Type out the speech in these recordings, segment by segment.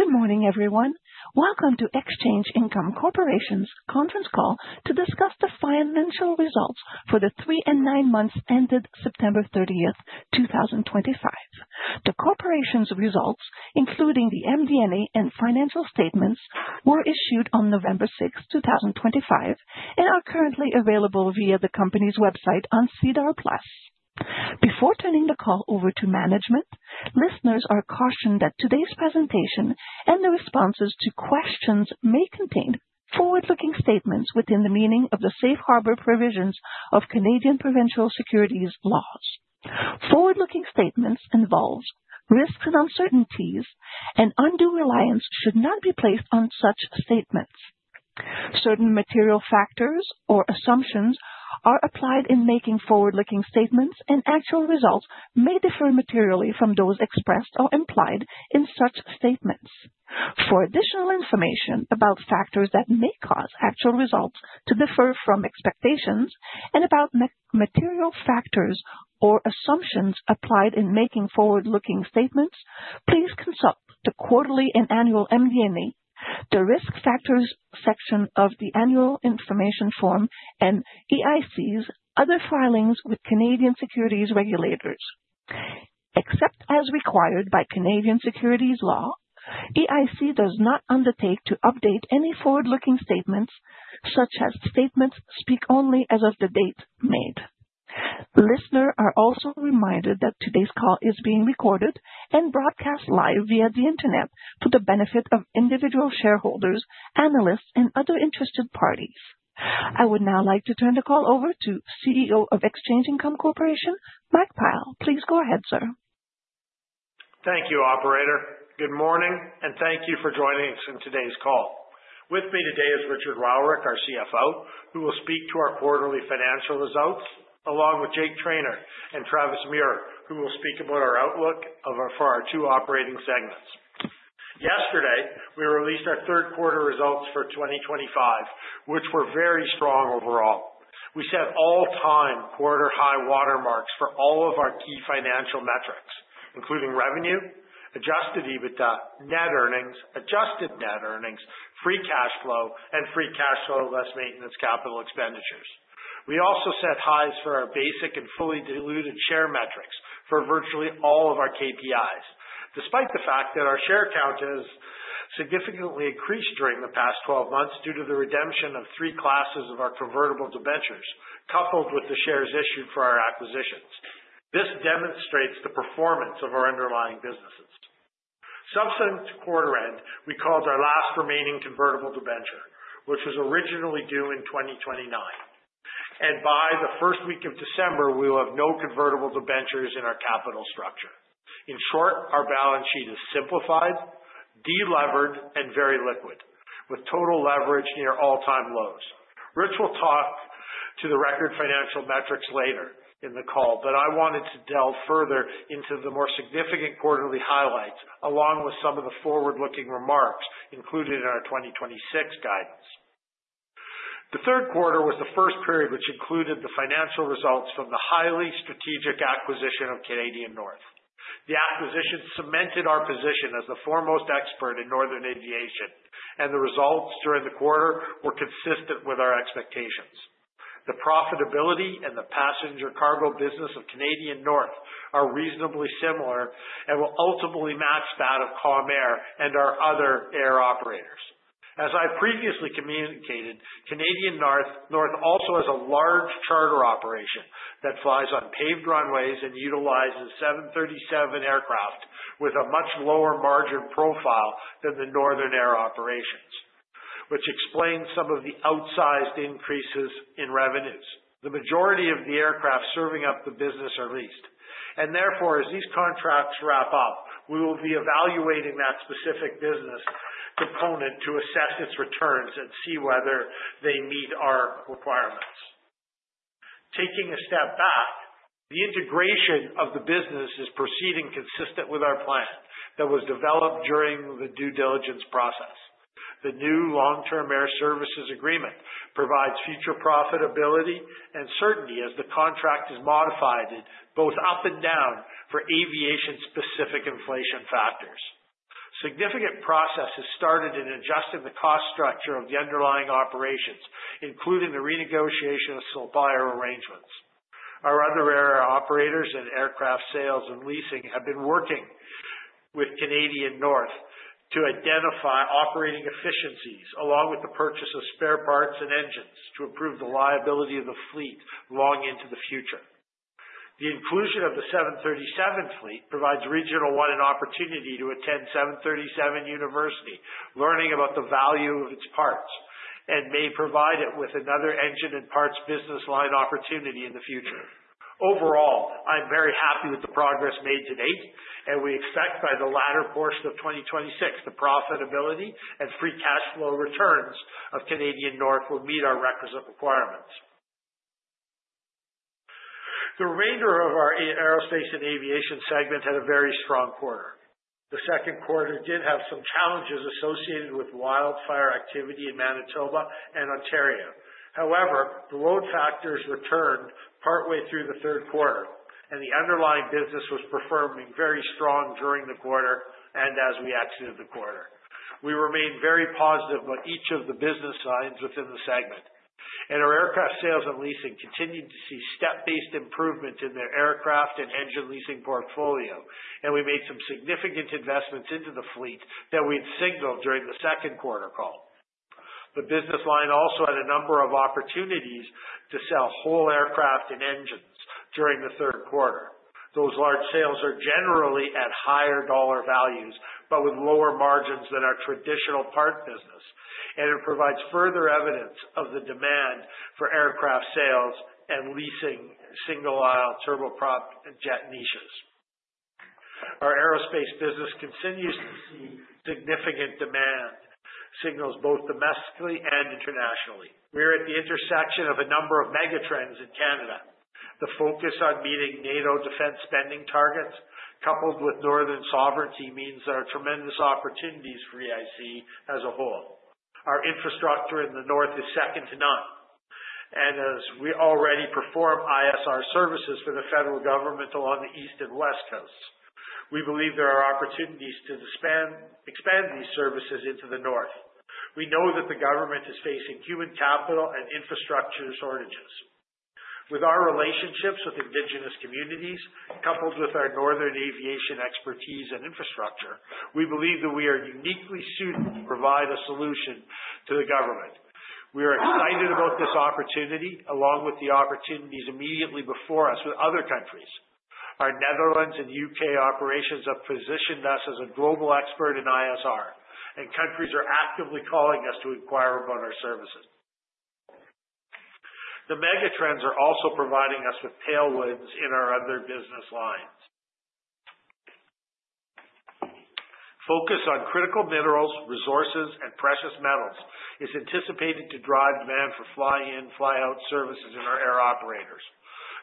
Good morning, everyone. Welcome to Exchange Income Corporation's conference call to discuss the financial results for the three and nine months ended September 30th, 2025. The corporation's results, including the MD&A and financial statements, were issued on November 6th, 2025, and are currently available via the company's website on SEDAR+. Before turning the call over to management, listeners are cautioned that today's presentation and the responses to questions may contain forward-looking statements within the meaning of the safe harbor provisions of Canadian provincial securities laws. Forward-looking statements involve risks and uncertainties, and undue reliance should not be placed on such statements. Certain material factors or assumptions are applied in making forward-looking statements, and actual results may differ materially from those expressed or implied in such statements. For additional information about factors that may cause actual results to differ from expectations and about material factors or assumptions applied in making forward-looking statements, please consult the quarterly and annual MD&A, the risk factors section of the Annual Information Form, and EIC's other filings with Canadian securities regulators. Except as required by Canadian securities law, EIC does not undertake to update any forward-looking statements. Such statements speak only as of the date made. Listeners are also reminded that today's call is being recorded and broadcast live via the Internet to the benefit of individual shareholders, analysts, and other interested parties. I would now like to turn the call over to CEO of Exchange Income Corporation, Mike Pyle. Please go ahead, sir. Thank you, Operator. Good morning, and thank you for joining us in today's call. With me today is Richard Wowryk, our CFO, who will speak to our quarterly financial results, along with Jake Trainor and Travis Merz, who will speak about our outlook for our two operating segments. Yesterday, we released our third quarter results for 2025, which were very strong overall. We set all-time quarter high watermarks for all of our key financial metrics, including revenue, adjusted EBITDA, net earnings, adjusted net earnings, free cash flow, and free cash flow less maintenance capital expenditures. We also set highs for our basic and fully diluted share metrics for virtually all of our KPIs, despite the fact that our share count has significantly increased during the past 12 months due to the redemption of three classes of our convertible debentures, coupled with the shares issued for our acquisitions. This demonstrates the performance of our underlying businesses. Subsequent to quarter end, we called our last remaining convertible debenture, which was originally due in 2029. By the first week of December, we will have no convertible debentures in our capital structure. In short, our balance sheet is simplified, delevered, and very liquid, with total leverage near all-time lows. Rich will talk to the record financial metrics later in the call, but I wanted to delve further into the more significant quarterly highlights, along with some of the forward-looking remarks included in our 2026 guidance. The third quarter was the first period which included the financial results from the highly strategic acquisition of Canadian North. The acquisition cemented our position as the foremost expert in Northern Aviation, and the results during the quarter were consistent with our expectations. The profitability and the passenger cargo business of Canadian North are reasonably similar and will ultimately match that of Calm Air and our other air operators. As I previously communicated, Canadian North also has a large charter operation that flies on paved runways and utilizes 737 aircraft with a much lower margin profile than the Northern Air operations, which explains some of the outsized increases in revenues. The majority of the aircraft serving the business are leased, and therefore, as these contracts wrap up, we will be evaluating that specific business component to assess its returns and see whether they meet our requirements. Taking a step back, the integration of the business is proceeding consistent with our plan that was developed during the due diligence process. The new long-term air services agreement provides future profitability and certainty as the contract is modified both up and down for aviation-specific inflation factors. Significant process has started in adjusting the cost structure of the underlying operations, including the renegotiation of supplier arrangements. Our other air operators and Aircraft Sales & Leasing have been working with Canadian North to identify operating efficiencies, along with the purchase of spare parts and engines to improve the reliability of the fleet long into the future. The inclusion of the 737 fleet provides Regional One an opportunity to attend 737 University, learning about the value of its parts, and may provide it with another engine and parts business line opportunity in the future. Overall, I'm very happy with the progress made to date, and we expect by the latter portion of 2026, the profitability and free cash flow returns of Canadian North will meet our requisite requirements. The remainder of our Aerospace & Aviation segment had a very strong quarter. The second quarter did have some challenges associated with wildfire activity in Manitoba and Ontario. However, the load factors returned partway through the third quarter, and the underlying business was performing very strong during the quarter and as we exited the quarter. We remained very positive about each of the business lines within the segment, and our Aircraft Sales & Leasing continued to see step-based improvements in their aircraft and engine leasing portfolio, and we made some significant investments into the fleet that we had signaled during the second quarter call. The business line also had a number of opportunities to sell whole aircraft and engines during the third quarter. Those large sales are generally at higher dollar values, but with lower margins than our traditional part business, and it provides further evidence of the demand for Aircraft Sales & Leasing single aisle turboprop jet niches. Our aerospace business continues to see significant demand, signals both domestically and internationally. We are at the intersection of a number of mega trends in Canada. The focus on meeting NATO defense spending targets, coupled with Northern sovereignty, means there are tremendous opportunities for EIC as a whole. Our infrastructure in the north is second to none, and as we already perform ISR services for the federal government along the east and west coasts, we believe there are opportunities to expand these services into the north. We know that the government is facing human capital and infrastructure shortages. With our relationships with Indigenous communities, coupled with our Northern aviation expertise and infrastructure, we believe that we are uniquely suited to provide a solution to the government. We are excited about this opportunity, along with the opportunities immediately before us with other countries. Our Netherlands and UK operations have positioned us as a global expert in ISR, and countries are actively calling us to inquire about our services. The mega trends are also providing us with tailwinds in our other business lines. Focus on critical minerals, resources, and precious metals is anticipated to drive demand for fly-in, fly-out services in our air operators,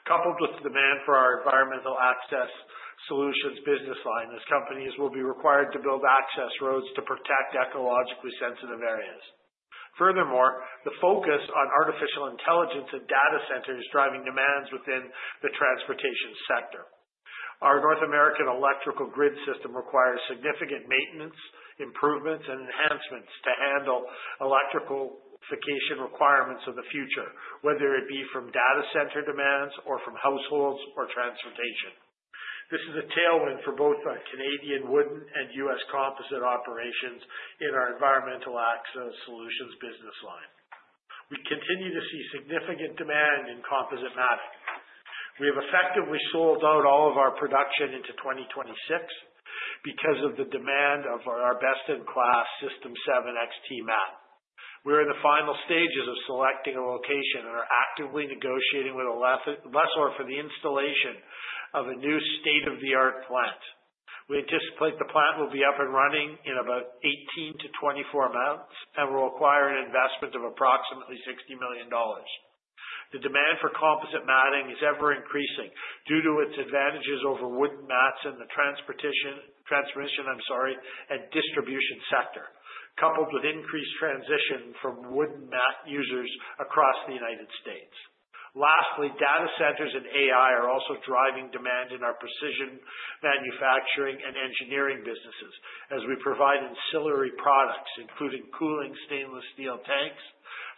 coupled with demand for our Environmental Access Solutions business line, as companies will be required to build access roads to protect ecologically sensitive areas. Furthermore, the focus on artificial intelligence and data centers is driving demands within the transportation sector. Our North American electrical grid system requires significant maintenance, improvements, and enhancements to handle electrification requirements of the future, whether it be from data center demands or from households or transportation. This is a tailwind for both Canadian wooden and U.S. composite operations in our Environmental Access Solutions business line. We continue to see significant demand in composite matting. We have effectively sold out all of our production into 2026 because of the demand of our best-in-class System7 mat. We are in the final stages of selecting a location and are actively negotiating with a lessor for the installation of a new state-of-the-art plant. We anticipate the plant will be up and running in about 18-24 months, and we'll acquire an investment of approximately 60 million dollars. The demand for composite matting is ever increasing due to its advantages over wooden mats in the transportation, transmission, I'm sorry, and distribution sector, coupled with increased transition from wooden mat users across the United States. Lastly, data centers and AI are also driving demand in our Precision Manufacturing & Engineering businesses as we provide ancillary products, including cooling stainless steel tanks,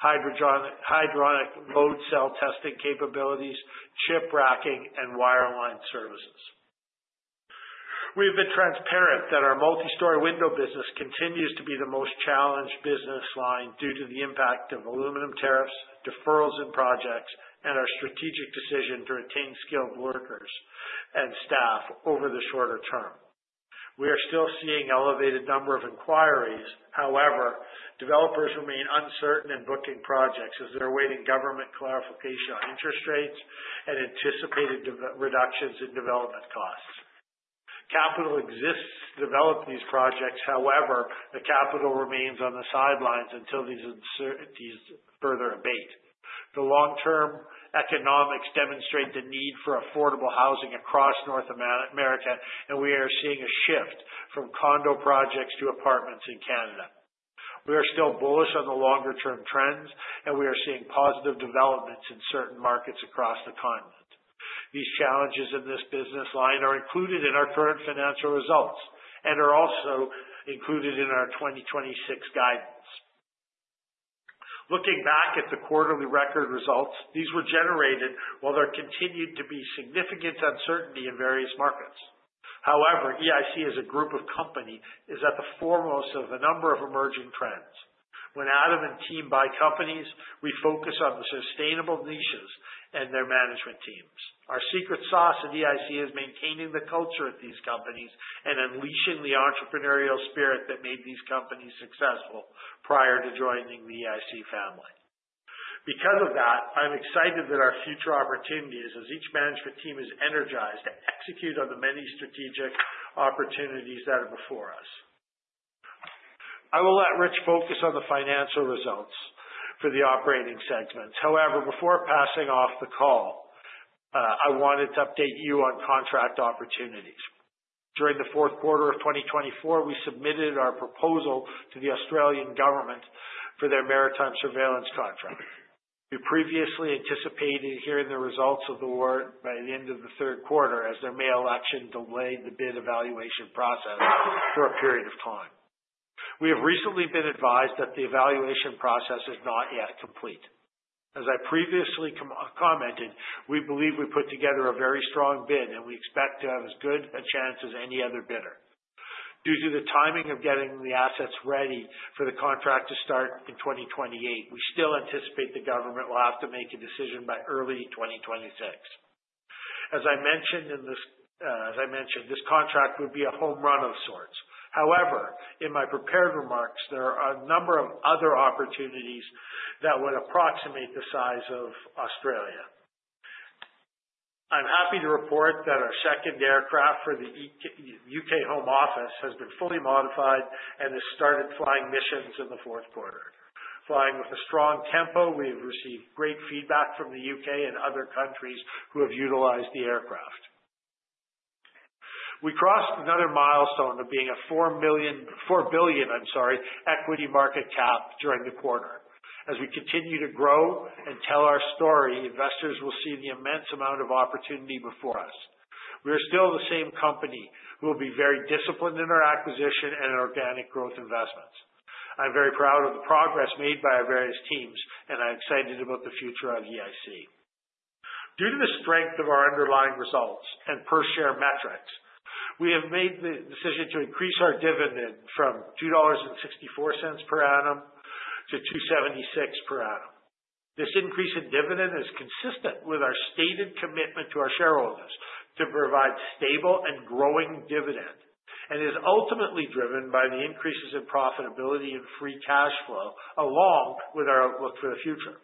hydraulic load cell testing capabilities, chip racking, and wireline services. We have been transparent that our multi-story window business continues to be the most challenged business line due to the impact of aluminum tariffs, deferrals in projects, and our strategic decision to retain skilled workers and staff over the shorter term. We are still seeing an elevated number of inquiries. However, developers remain uncertain in booking projects as they're awaiting government clarification on interest rates and anticipated reductions in development costs. Capital exists to develop these projects. However, the capital remains on the sidelines until these further abate. The long-term economics demonstrate the need for affordable housing across North America, and we are seeing a shift from condo projects to apartments in Canada. We are still bullish on the longer-term trends, and we are seeing positive developments in certain markets across the continent. These challenges in this business line are included in our current financial results and are also included in our 2026 guidance. Looking back at the quarterly record results, these were generated while there continued to be significant uncertainty in various markets. However, EIC, as a group of companies, is at the foremost of a number of emerging trends. When Adam and team buy companies, we focus on the sustainable niches and their management teams. Our secret sauce at EIC is maintaining the culture at these companies and unleashing the entrepreneurial spirit that made these companies successful prior to joining the EIC family. Because of that, I'm excited that our future opportunities, as each management team is energized to execute on the many strategic opportunities that are before us. I will let Rich focus on the financial results for the operating segments. However, before passing off the call, I wanted to update you on contract opportunities. During the fourth quarter of 2024, we submitted our proposal to the Australian government for their maritime surveillance contract. We previously anticipated hearing the results of the award by the end of the third quarter, as their May election delayed the bid evaluation process for a period of time. We have recently been advised that the evaluation process is not yet complete. As I previously commented, we believe we put together a very strong bid, and we expect to have as good a chance as any other bidder. Due to the timing of getting the assets ready for the contract to start in 2028, we still anticipate the government will have to make a decision by early 2026. As I mentioned, this contract would be a home run of sorts. However, in my prepared remarks, there are a number of other opportunities that would approximate the size of Australia. I'm happy to report that our second aircraft for the UK Home Office has been fully modified and has started flying missions in the fourth quarter, flying with a strong tempo. We have received great feedback from the UK and other countries who have utilized the aircraft. We crossed another milestone of being a 4 billion, I'm sorry, equity market cap during the quarter. As we continue to grow and tell our story, investors will see the immense amount of opportunity before us. We are still the same company. We will be very disciplined in our acquisition and organic growth investments. I'm very proud of the progress made by our various teams, and I'm excited about the future of EIC. Due to the strength of our underlying results and per-share metrics, we have made the decision to increase our dividend from 2.64 dollars per annum to 2.76 per annum. This increase in dividend is consistent with our stated commitment to our shareholders to provide stable and growing dividend and is ultimately driven by the increases in profitability and free cash flow, along with our outlook for the future.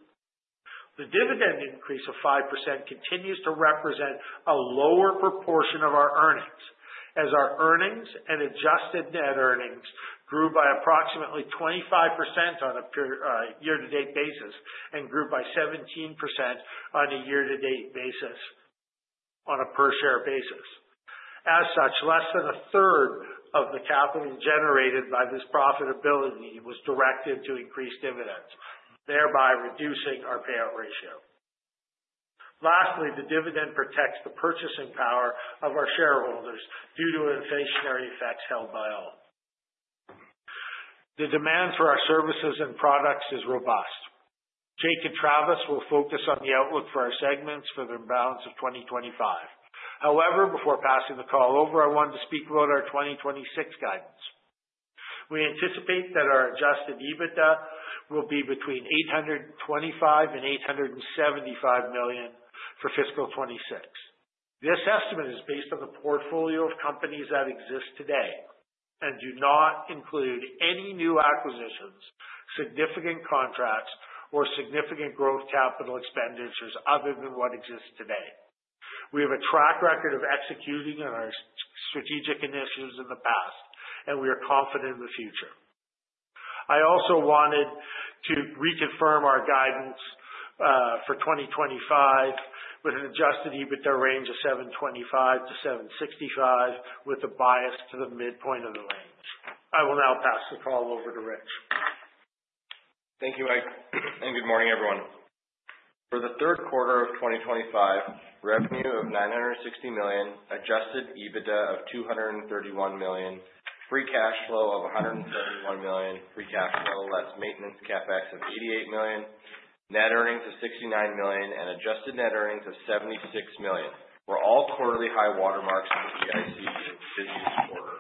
The dividend increase of 5% continues to represent a lower proportion of our earnings, as our earnings and adjusted net earnings grew by approximately 25% on a year-to-date basis and grew by 17% on a year-to-date basis on a per-share basis. As such, less than a third of the capital generated by this profitability was directed to increase dividends, thereby reducing our payout ratio. Lastly, the dividend protects the purchasing power of our shareholders due to inflationary effects held by all. The demand for our services and products is robust. Jake and Travis will focus on the outlook for our segments for the balance of 2025. However, before passing the call over, I wanted to speak about our 2026 guidance. We anticipate that our Adjusted EBITDA will be between 825 million and 875 million for fiscal 2026. This estimate is based on the portfolio of companies that exist today and do not include any new acquisitions, significant contracts, or significant growth capital expenditures other than what exists today. We have a track record of executing on our strategic initiatives in the past, and we are confident in the future. I also wanted to reconfirm our guidance for 2025 with an adjusted EBITDA range of 725 million-765 million, with a bias to the midpoint of the range. I will now pass the call over to Rich. Thank you, Mike, and good morning, everyone. For the third quarter of 2025, revenue of 960 million, adjusted EBITDA of 231 million, free cash flow of 171 million, free cash flow less maintenance CapEx of 88 million, net earnings of 69 million, and adjusted net earnings of 76 million were all quarterly high watermarks for EIC this fiscal quarter.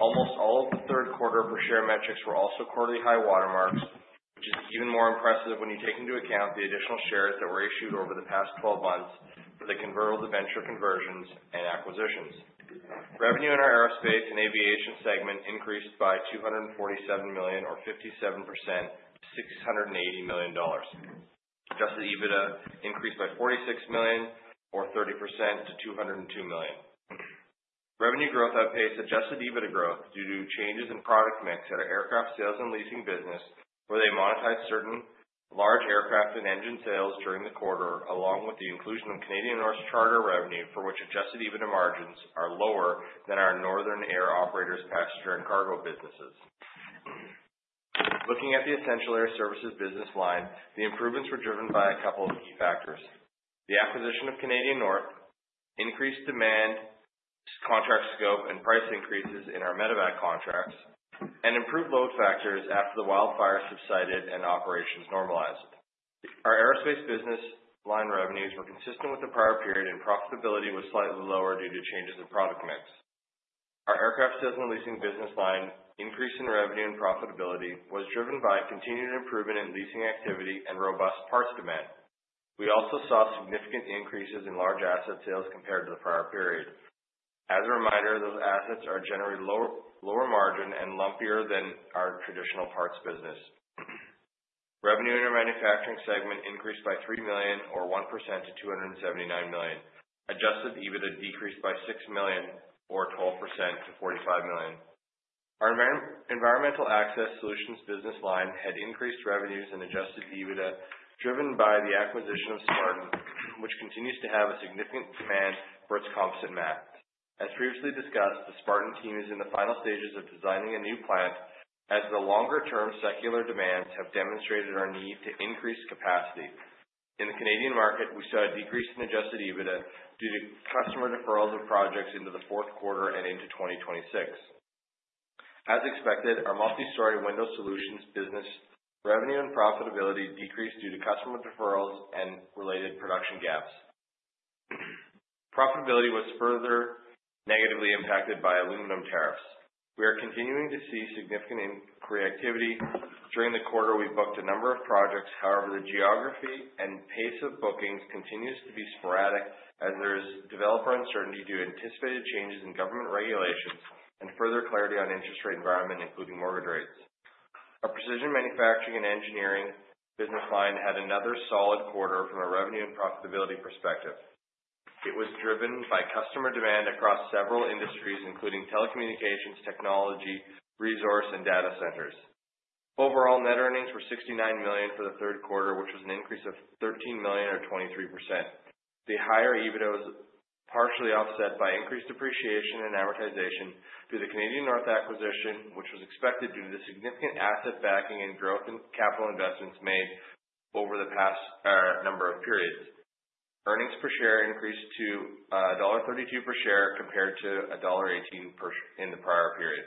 Almost all of the third quarter per-share metrics were also quarterly high watermarks, which is even more impressive when you take into account the additional shares that were issued over the past 12 months for the convertible debenture conversions and acquisitions. Revenue in our Aerospace & Aviation segment increased by 247 million, or 57%, to 680 million dollars. Adjusted EBITDA increased by 46 million, or 30%, to 202 million. Revenue growth outpaced adjusted EBITDA growth due to changes in product mix at our Aircraft Sales & Leasing business, where they monetized certain large aircraft and engine sales during the quarter, along with the inclusion of Canadian North charter revenue, for which adjusted EBITDA margins are lower than our northern air operators, passenger and cargo businesses. Looking at the Essential Air Services business line, the improvements were driven by a couple of key factors: the acquisition of Canadian North, increased demand, contract scope, and price increases in our medevac contracts, and improved load factors after the wildfire subsided and operations normalized. Our aerospace business line revenues were consistent with the prior period, and profitability was slightly lower due to changes in product mix. Our Aircraft Sales & Leasing business line, increase in revenue and profitability, was driven by continued improvement in leasing activity and robust parts demand. We also saw significant increases in large asset sales compared to the prior period. As a reminder, those assets are generally lower margin and lumpier than our traditional parts business. Revenue in our Manufacturing segment increased by 3 million, or 1%, to 279 million. Adjusted EBITDA decreased by 6 million, or 12%, to 45 million. Our Environmental Access Solutions business line had increased revenues and adjusted EBITDA, driven by the acquisition of Stainless, which continues to have a significant demand for its composite mat. As previously discussed, the Garland team is in the final stages of designing a new plant, as the longer-term secular demands have demonstrated our need to increase capacity. In the Canadian market, we saw a decrease in adjusted EBITDA due to customer deferrals of projects into the fourth quarter and into 2026. As expected, our Multi-Story Window Solutions business revenue and profitability decreased due to customer deferrals and related production gaps. Profitability was further negatively impacted by aluminum tariffs. We are continuing to see significant creativity during the quarter. We booked a number of projects. However, the geography and pace of bookings continues to be sporadic, as there is developer uncertainty due to anticipated changes in government regulations and further clarity on interest rate environment, including mortgage rates. Our Precision Manufacturing & Engineering business line had another solid quarter from a revenue and profitability perspective. It was driven by customer demand across several industries, including telecommunications, technology, resource, and data centers. Overall, net earnings were 69 million for the third quarter, which was an increase of 13 million, or 23%. The higher EBITDA was partially offset by increased depreciation and amortization through the Canadian North acquisition, which was expected due to the significant asset backing and growth in capital investments made over the past number of periods. Earnings per share increased to $1.32 per share compared to $1.18 in the prior period.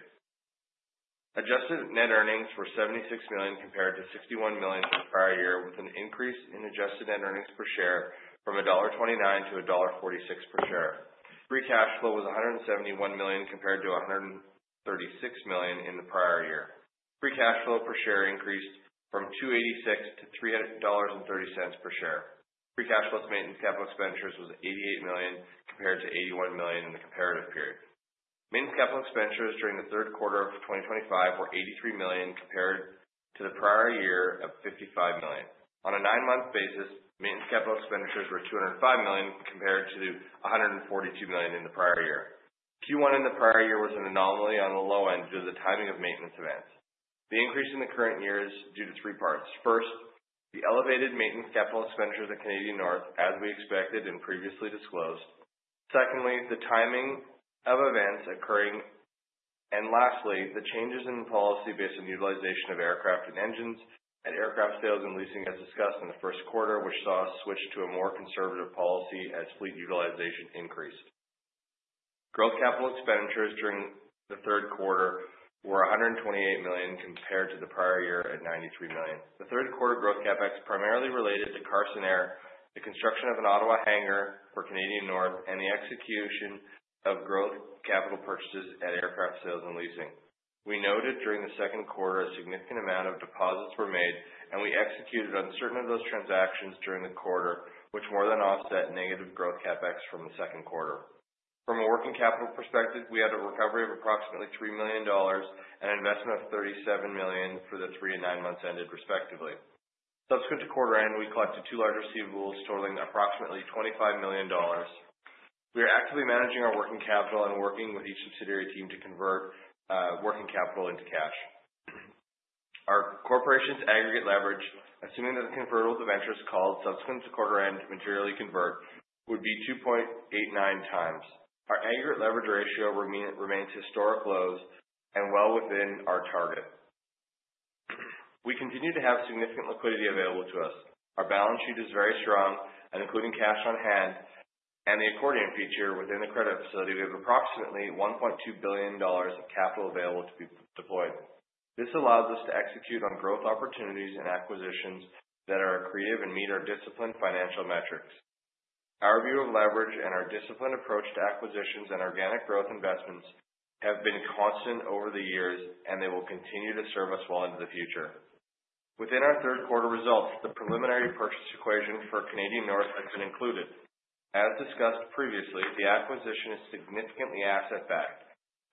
Adjusted net earnings were 76 million compared to 61 million for the prior year, with an increase in adjusted net earnings per share from $1.29-$1.46 per share. Free cash flow was 171 million compared to 136 million in the prior year. Free cash flow per share increased from $2.8-$3.30 per share. Free cash flow to maintenance capital expenditures was 88 million compared to 81 million in the comparative period. Maintenance capital expenditures during the third quarter of 2025 were 83 million compared to the prior year of 55 million. On a nine-month basis, maintenance capital expenditures were 205 million compared to 142 million in the prior year. Q1 in the prior year was an anomaly on the low end due to the timing of maintenance events. The increase in the current year is due to three parts. First, the elevated maintenance capital expenditure of the Canadian North, as we expected and previously disclosed. Secondly, the timing of events occurring. And lastly, the changes in policy based on utilization of aircraft and engines and Aircraft Sales & Leasing, as discussed in the first quarter, which saw a switch to a more conservative policy as fleet utilization increased. Growth capital expenditures during the third quarter were 128 million compared to the prior year at 93 million. The third quarter growth CapEx primarily related to Carson Air, the construction of an Ottawa hangar for Canadian North, and the execution of growth capital purchases at Aircraft Sales & Leasing. We noted during the second quarter a significant amount of deposits were made, and we executed on certain of those transactions during the quarter, which more than offset negative growth CapEx from the second quarter. From a working capital perspective, we had a recovery of approximately 3 million dollars and an investment of 37 million for the three and nine months ended, respectively. Subsequent to quarter end, we collected two large receivables totaling approximately 25 million dollars. We are actively managing our working capital and working with each subsidiary team to convert working capital into cash. Our corporation's aggregate leverage, assuming that the convertible debentures called subsequent to quarter end materially convert, would be 2.89 times. Our aggregate leverage ratio remains at historic lows and well within our target. We continue to have significant liquidity available to us. Our balance sheet is very strong, and including cash on hand and the accordion feature within the credit facility, we have approximately 1.2 billion dollars of capital available to be deployed. This allows us to execute on growth opportunities and acquisitions that are accretive and meet our disciplined financial metrics. Our view of leverage and our disciplined approach to acquisitions and organic growth investments have been constant over the years, and they will continue to serve us well into the future. Within our third quarter results, the preliminary purchase price allocation for Canadian North has been included. As discussed previously, the acquisition is significantly asset-backed.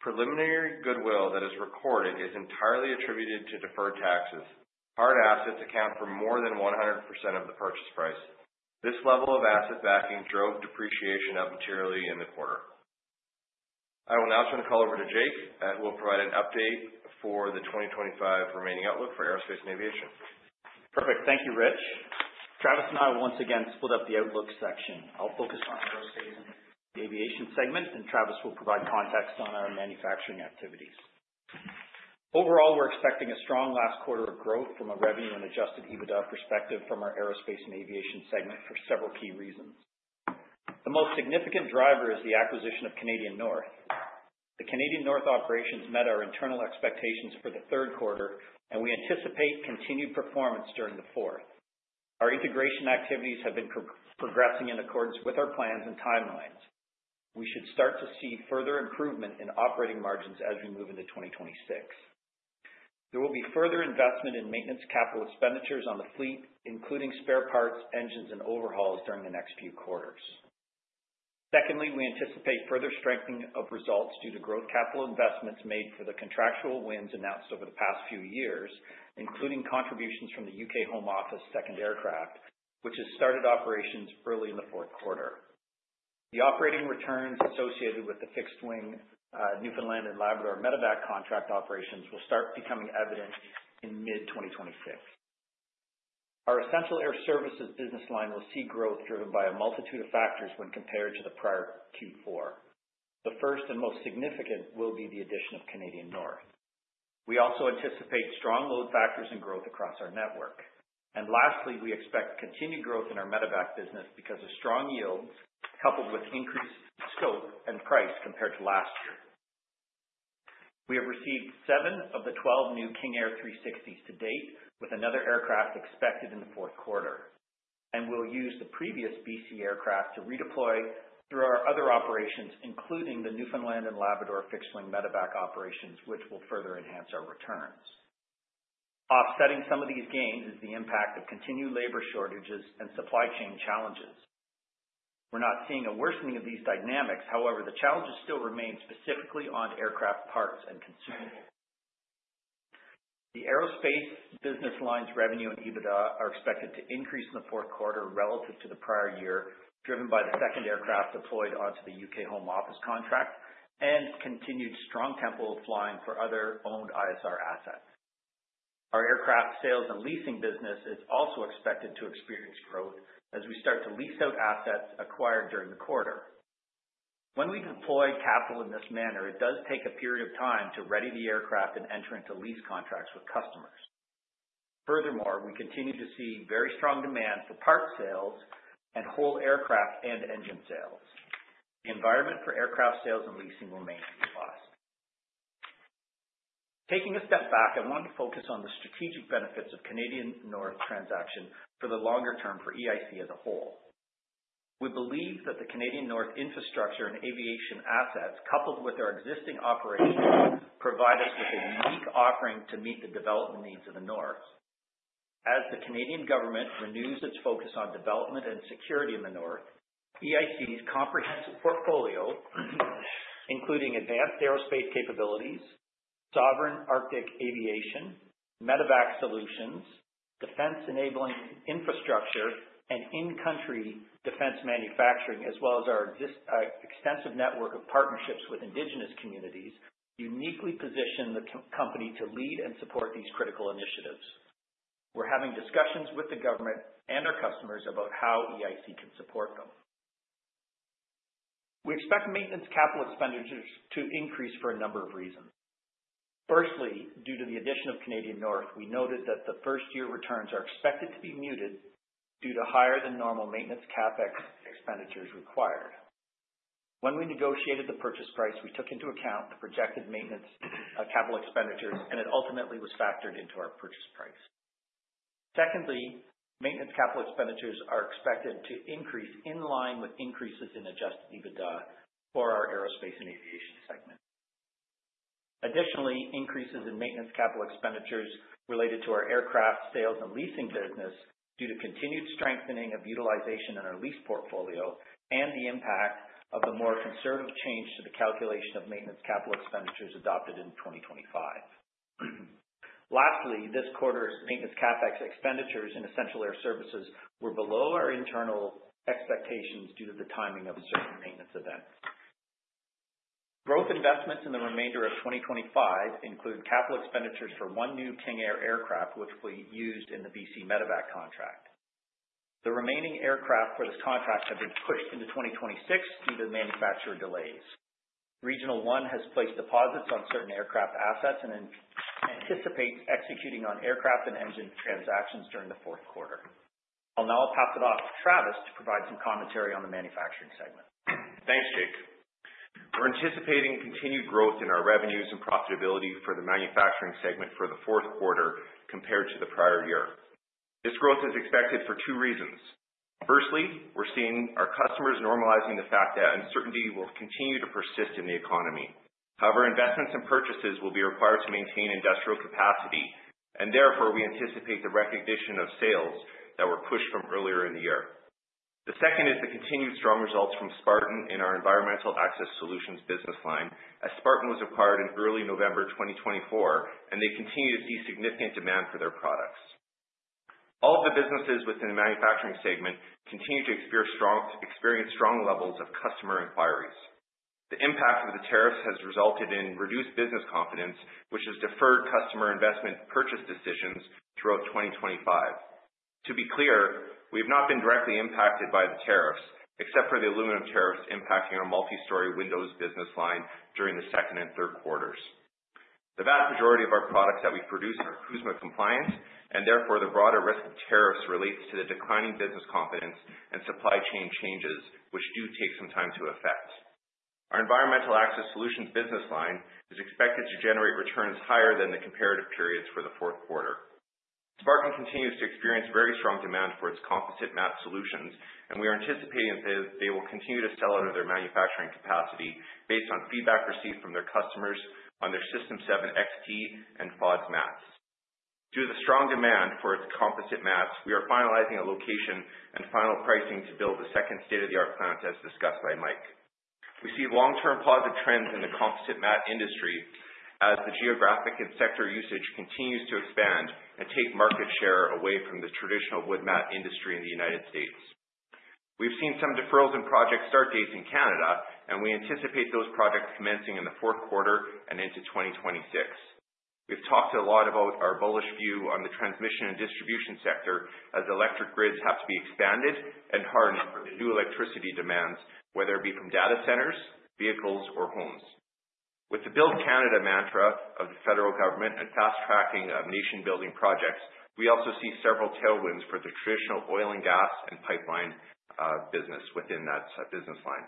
Preliminary goodwill that is recorded is entirely attributed to deferred taxes. Hard assets account for more than 100% of the purchase price. This level of asset backing drove depreciation up materially in the quarter. I will now turn the call over to Jake, who will provide an update for the 2025 remaining outlook for aerospace and aviation. Perfect. Thank you, Rich. Travis and I will once again split up the outlook section. I'll focus on the Aerospace & Aviation segment, and Travis will provide context on our manufacturing activities. Overall, we're expecting a strong last quarter of growth from a revenue and Adjusted EBITDA perspective from our Aerospace & Aviation segment for several key reasons. The most significant driver is the acquisition of Canadian North. The Canadian North operations met our internal expectations for the third quarter, and we anticipate continued performance during the fourth. Our integration activities have been progressing in accordance with our plans and timelines. We should start to see further improvement in operating margins as we move into 2026. There will be further investment in maintenance capital expenditures on the fleet, including spare parts, engines, and overhauls during the next few quarters. Secondly, we anticipate further strengthening of results due to growth capital investments made for the contractual wins announced over the past few years, including contributions from the UK Home Office second aircraft, which has started operations early in the fourth quarter. The operating returns associated with the fixed wing Newfoundland and Labrador medevac contract operations will start becoming evident in mid-2026. Our Essential Air Services business line will see growth driven by a multitude of factors when compared to the prior Q4. The first and most significant will be the addition of Canadian North. We also anticipate strong load factors and growth across our network. Lastly, we expect continued growth in our medevac business because of strong yields coupled with increased scope and price compared to last year. We have received seven of the 12 new King Air 360s to date, with another aircraft expected in the fourth quarter. We'll use the previous BC aircraft to redeploy through our other operations, including the Newfoundland and Labrador fixed wing medevac operations, which will further enhance our returns. Offsetting some of these gains is the impact of continued labor shortages and supply chain challenges. We're not seeing a worsening of these dynamics. However, the challenges still remain specifically on aircraft parts and consumables. The aerospace business line's revenue and EBITDA are expected to increase in the fourth quarter relative to the prior year, driven by the second aircraft deployed onto the U.K. Home Office contract and continued strong tempo of flying for other owned ISR assets. Our Aircraft Sales & Leasing business is also expected to experience growth as we start to lease out assets acquired during the quarter. When we deploy capital in this manner, it does take a period of time to ready the aircraft and enter into lease contracts with customers. Furthermore, we continue to see very strong demand for parts sales and whole aircraft and engine sales. The environment for Aircraft Sales & Leasing will remain robust. Taking a step back, I want to focus on the strategic benefits of Canadian North transaction for the longer term for EIC as a whole. We believe that the Canadian North infrastructure and aviation assets, coupled with our existing operations, provide us with a unique offering to meet the development needs of the North. As the Canadian government renews its focus on development and security in the North, EIC's comprehensive portfolio, including advanced aerospace capabilities, sovereign Arctic aviation, medevac solutions, defense-enabling infrastructure, and in-country defense manufacturing, as well as our extensive network of partnerships with indigenous communities, uniquely position the company to lead and support these critical initiatives. We're having discussions with the government and our customers about how EIC can support them. We expect maintenance capital expenditures to increase for a number of reasons. Firstly, due to the addition of Canadian North, we noted that the first-year returns are expected to be muted due to higher than normal maintenance CapEx expenditures required. When we negotiated the purchase price, we took into account the projected maintenance capital expenditures, and it ultimately was factored into our purchase price. Secondly, maintenance capital expenditures are expected to increase in line with increases in adjusted EBITDA for our Aerospace & Aviation segment. Additionally, increases in maintenance capital expenditures related to our Aircraft Sales & Leasing business due to continued strengthening of utilization in our lease portfolio and the impact of the more conservative change to the calculation of maintenance capital expenditures adopted in 2025. Lastly, this quarter's maintenance CapEx expenditures in Essential Air Services were below our internal expectations due to the timing of certain maintenance events. Growth investments in the remainder of 2025 include capital expenditures for one new King Air aircraft, which we used in the BC medevac contract. The remaining aircraft for this contract have been pushed into 2026 due to manufacturer delays. Regional One has placed deposits on certain aircraft assets and anticipates executing on aircraft and engine transactions during the fourth quarter. I'll now pass it off to Travis to provide some commentary on the Manufacturing segment. Thanks, Jake. We're anticipating continued growth in our revenues and profitability for the Manufacturing segment for the fourth quarter compared to the prior year. This growth is expected for two reasons. Firstly, we're seeing our customers normalizing the fact that uncertainty will continue to persist in the economy. However, investments and purchases will be required to maintain industrial capacity, and therefore we anticipate the recognition of sales that were pushed from earlier in the year. The second is the continued strong results from Garland in our Environmental Access Solutions business line, as Garland was acquired in early November 2024, and they continue to see significant demand for their products. All of the businesses within the Manufacturing segment continue to experience strong levels of customer inquiries. The impact of the tariffs has resulted in reduced business confidence, which has deferred customer investment purchase decisions throughout 2025. To be clear, we have not been directly impacted by the tariffs, except for the aluminum tariffs impacting our multi-story windows business line during the second and third quarters. The vast majority of our products that we produce are CUSMA compliant, and therefore the broader risk of tariffs relates to the declining business confidence and supply chain changes, which do take some time to affect. Our Environmental Access Solutions business line is expected to generate returns higher than the comparative periods for the fourth quarter. Spartan continues to experience very strong demand for its composite mat solutions, and we are anticipating that they will continue to sell out of their manufacturing capacity based on feedback received from their customers on their System 7 and FODS mats. Due to the strong demand for its composite mats, we are finalizing a location and final pricing to build the second state-of-the-art plant, as discussed by Mike. We see long-term positive trends in the composite mat industry as the geographic and sector usage continues to expand and take market share away from the traditional wood mat industry in the United States. We've seen some deferrals in project start dates in Canada, and we anticipate those projects commencing in the fourth quarter and into 2026. We've talked a lot about our bullish view on the transmission and distribution sector as electric grids have to be expanded and hardened for the new electricity demands, whether it be from data centers, vehicles, or homes. With the Build Canada mantra of the federal government and fast tracking of nation-building projects, we also see several tailwinds for the traditional oil and gas and pipeline business within that business line.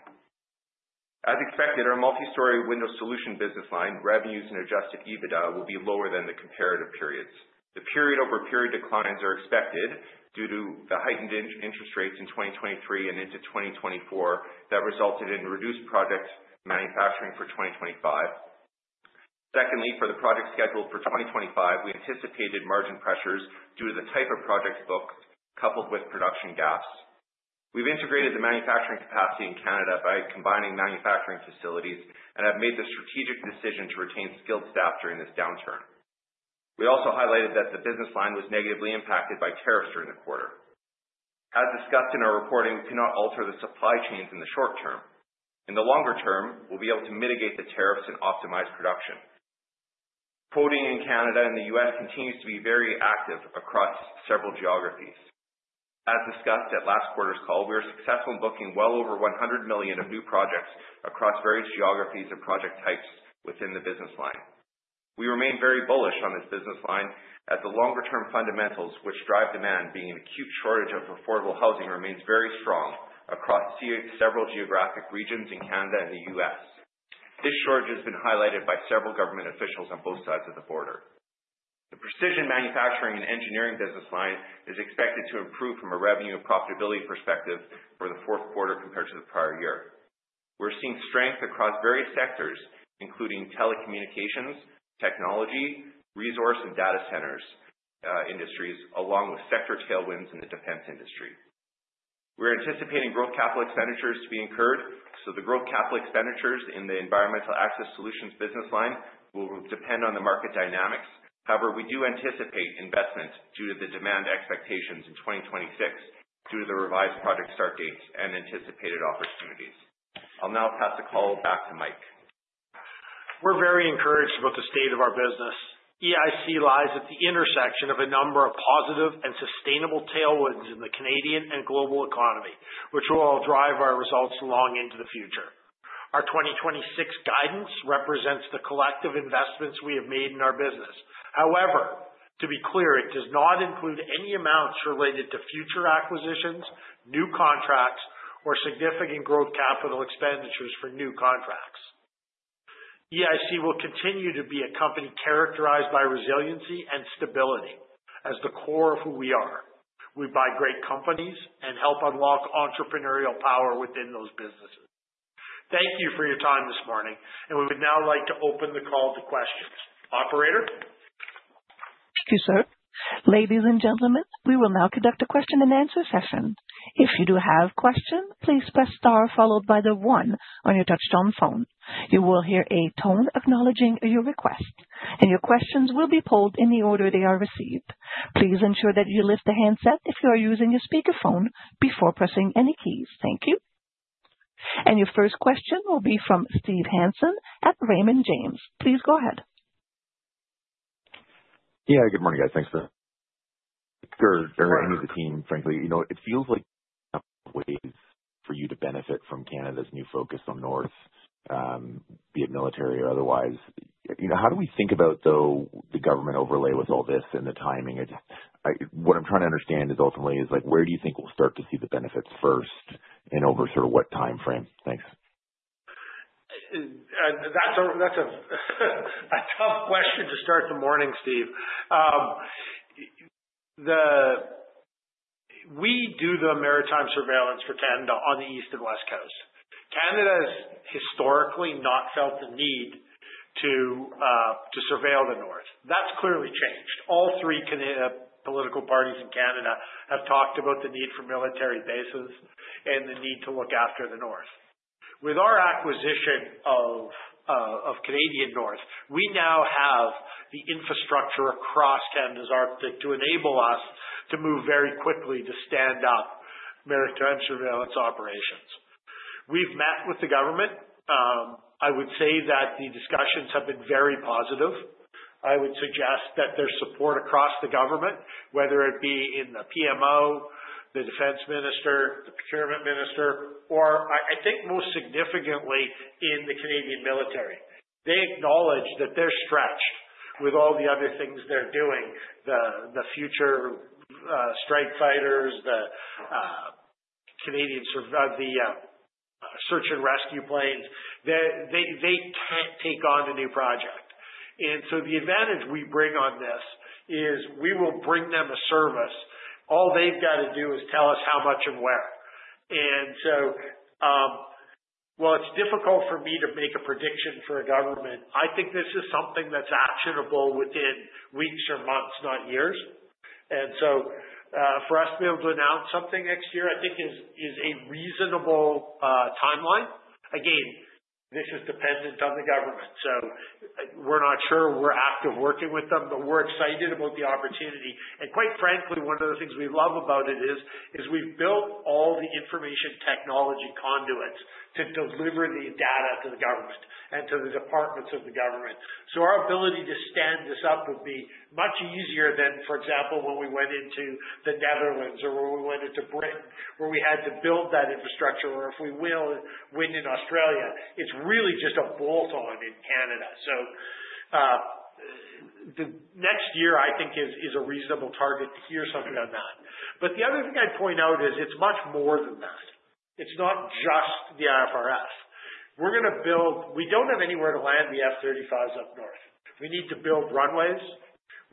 As expected, our Multi-Story Window Solutions business line revenues and adjusted EBITDA will be lower than the comparative periods. The period-over-period declines are expected due to the heightened interest rates in 2023 and into 2024 that resulted in reduced project manufacturing for 2025. Secondly, for the projects scheduled for 2025, we anticipated margin pressures due to the type of projects booked coupled with production gaps. We've integrated the manufacturing capacity in Canada by combining manufacturing facilities and have made the strategic decision to retain skilled staff during this downturn. We also highlighted that the business line was negatively impacted by tariffs during the quarter. As discussed in our reporting, we cannot alter the supply chains in the short term. In the longer term, we'll be able to mitigate the tariffs and optimize production. Quoting in Canada and the U.S. continues to be very active across several geographies. As discussed at last quarter's call, we were successful in booking well over 100 million of new projects across various geographies and project types within the business line. We remain very bullish on this business line as the longer-term fundamentals, which drive demand, being an acute shortage of affordable housing, remains very strong across several geographic regions in Canada and the U.S. This shortage has been highlighted by several government officials on both sides of the border. The Precision Manufacturing & Engineering business line is expected to improve from a revenue and profitability perspective for the fourth quarter compared to the prior year. We're seeing strength across various sectors, including telecommunications, technology, resource, and data centers industries, along with sector tailwinds in the defense industry. We're anticipating growth capital expenditures to be incurred. So the growth capital expenditures in the Environmental Access Solutions business line will depend on the market dynamics. However, we do anticipate investment due to the demand expectations in 2026 due to the revised project start dates and anticipated opportunities. I'll now pass the call back to Mike. We're very encouraged about the state of our business. EIC lies at the intersection of a number of positive and sustainable tailwinds in the Canadian and global economy, which will all drive our results long into the future. Our 2026 guidance represents the collective investments we have made in our business. However, to be clear, it does not include any amounts related to future acquisitions, new contracts, or significant growth capital expenditures for new contracts. EIC will continue to be a company characterized by resiliency and stability as the core of who we are. We buy great companies and help unlock entrepreneurial power within those businesses. Thank you for your time this morning, and we would now like to open the call to questions. Operator? Thank you, sir. Ladies and gentlemen, we will now conduct a question and answer session. If you do have questions, please press star followed by the one on your touch-tone phone. You will hear a tone acknowledging your request, and your questions will be polled in the order they are received. Please ensure that you lift the handset if you are using a speakerphone before pressing any keys. Thank you. And your first question will be from Steve Hansen at Raymond James. Please go ahead. Yeah, good morning, guys. Thanks for. Sure. I mean, the team, frankly, you know, it feels like ways for you to benefit from Canada's new focus on North, be it military or otherwise. How do we think about, though, the government overlay with all this and the timing? What I'm trying to understand is ultimately, is like, where do you think we'll start to see the benefits first and over sort of what timeframe? Thanks. That's a tough question to start the morning, Steve. We do the maritime surveillance for Canada on the East and West Coast. Canada has historically not felt the need to surveil the North. That's clearly changed. All three political parties in Canada have talked about the need for military bases and the need to look after the North. With our acquisition of Canadian North, we now have the infrastructure across Canada's Arctic to enable us to move very quickly to stand up maritime surveillance operations. We've met with the government. I would say that the discussions have been very positive. I would suggest that there's support across the government, whether it be in the PMO, the defense minister, the procurement minister, or I think most significantly in the Canadian military. They acknowledge that they're stretched with all the other things they're doing, the future strike fighters, the Canadian search and rescue planes. They can't take on a new project. And so the advantage we bring on this is we will bring them a service. All they've got to do is tell us how much and where. And so, well, it's difficult for me to make a prediction for a government. I think this is something that's actionable within weeks or months, not years. And so for us to be able to announce something next year, I think is a reasonable timeline. Again, this is dependent on the government. So we're not sure we're actively working with them, but we're excited about the opportunity. And quite frankly, one of the things we love about it is we've built all the information technology conduits to deliver the data to the government and to the departments of the government. Our ability to stand this up would be much easier than, for example, when we went into the Netherlands or when we went into Britain, where we had to build that infrastructure or, if you will, win in Australia. It's really just a bolt-on in Canada. The next year, I think, is a reasonable target to hear something on that. But the other thing I'd point out is it's much more than that. It's not just the ISR. We're going to build. We don't have anywhere to land the F-35s up north. We need to build runways.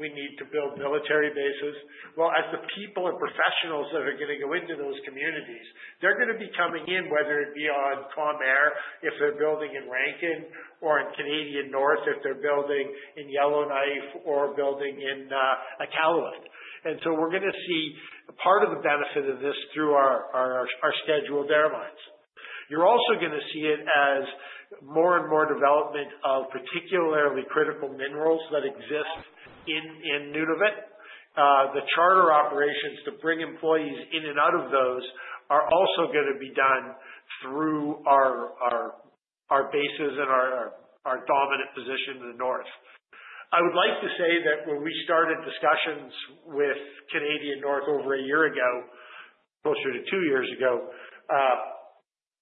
We need to build military bases. As the people and professionals that are going to go into those communities, they're going to be coming in, whether it be on Calm Air if they're building in Rankin or in Canadian North if they're building in Yellowknife or building in Iqaluit. And so we're going to see part of the benefit of this through our scheduled airlines. You're also going to see it as more and more development of particularly critical minerals that exist in Nunavut. The charter operations to bring employees in and out of those are also going to be done through our bases and our dominant position in the North. I would like to say that when we started discussions with Canadian North over a year ago, closer to two years ago,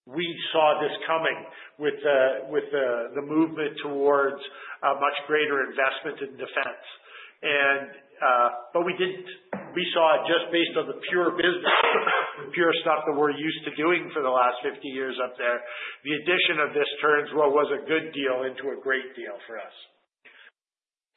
we saw this coming with the movement towards a much greater investment in defense. But we saw it just based on the pure business, the pure stuff that we're used to doing for the last 50 years up there. The addition of this turns, well, was a good deal into a great deal for us.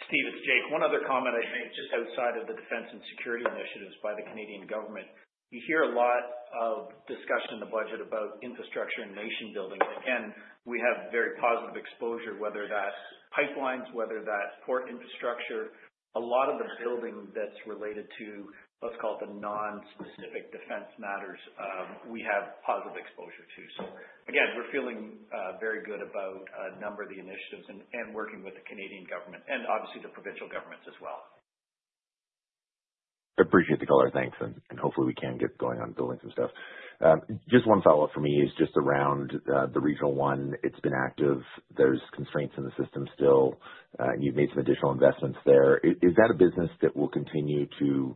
Steve, it's Jake. One other comment I'd make just outside of the defense and security initiatives by the Canadian government. We hear a lot of discussion in the budget about infrastructure and nation-building. Again, we have very positive exposure, whether that's pipelines, whether that's port infrastructure. A lot of the building that's related to, let's call it the non-specific defense matters, we have positive exposure to. So again, we're feeling very good about a number of the initiatives and working with the Canadian government and obviously the provincial governments as well. Appreciate the caller. Thanks. And hopefully we can get going on building some stuff. Just one follow-up for me is just around the Regional One. It's been active. There's constraints in the system still, and you've made some additional investments there. Is that a business that will continue to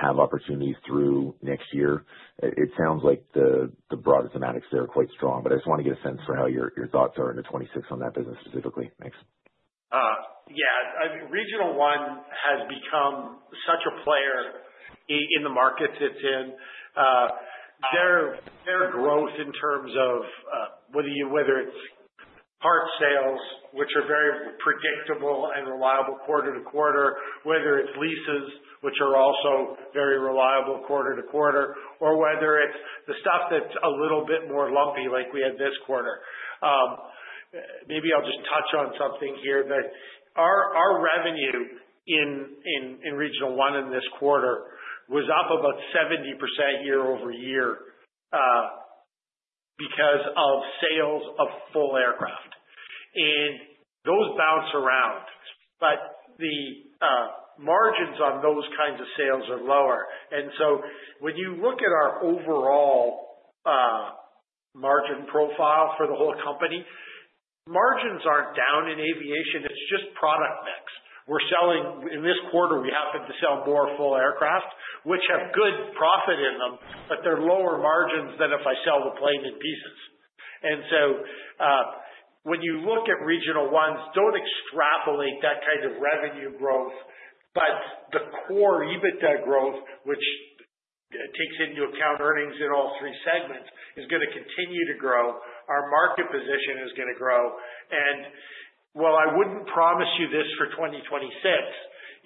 have opportunities through next year? It sounds like the broader thematics there are quite strong, but I just want to get a sense for how your thoughts are in the 2026 on that business specifically. Thanks. Yeah. Regional One has become such a player in the markets it's in. Their growth in terms of whether it's part sales, which are very predictable and reliable quarter to quarter, whether it's leases, which are also very reliable quarter to quarter, or whether it's the stuff that's a little bit more lumpy, like we had this quarter. Maybe I'll just touch on something here. Our revenue in Regional One in this quarter was up about 70% yea-over-year because of sales of full aircraft. And those bounce around, but the margins on those kinds of sales are lower. And so when you look at our overall margin profile for the whole company, margins aren't down in aviation. It's just product mix. In this quarter, we happen to sell more full aircraft, which have good profit in them, but they're lower margins than if I sell the plane in pieces. And so when you look at Regional One, don't extrapolate that kind of revenue growth, but the core EBITDA growth, which takes into account earnings in all three segments, is going to continue to grow. Our market position is going to grow. And while I wouldn't promise you this for 2026,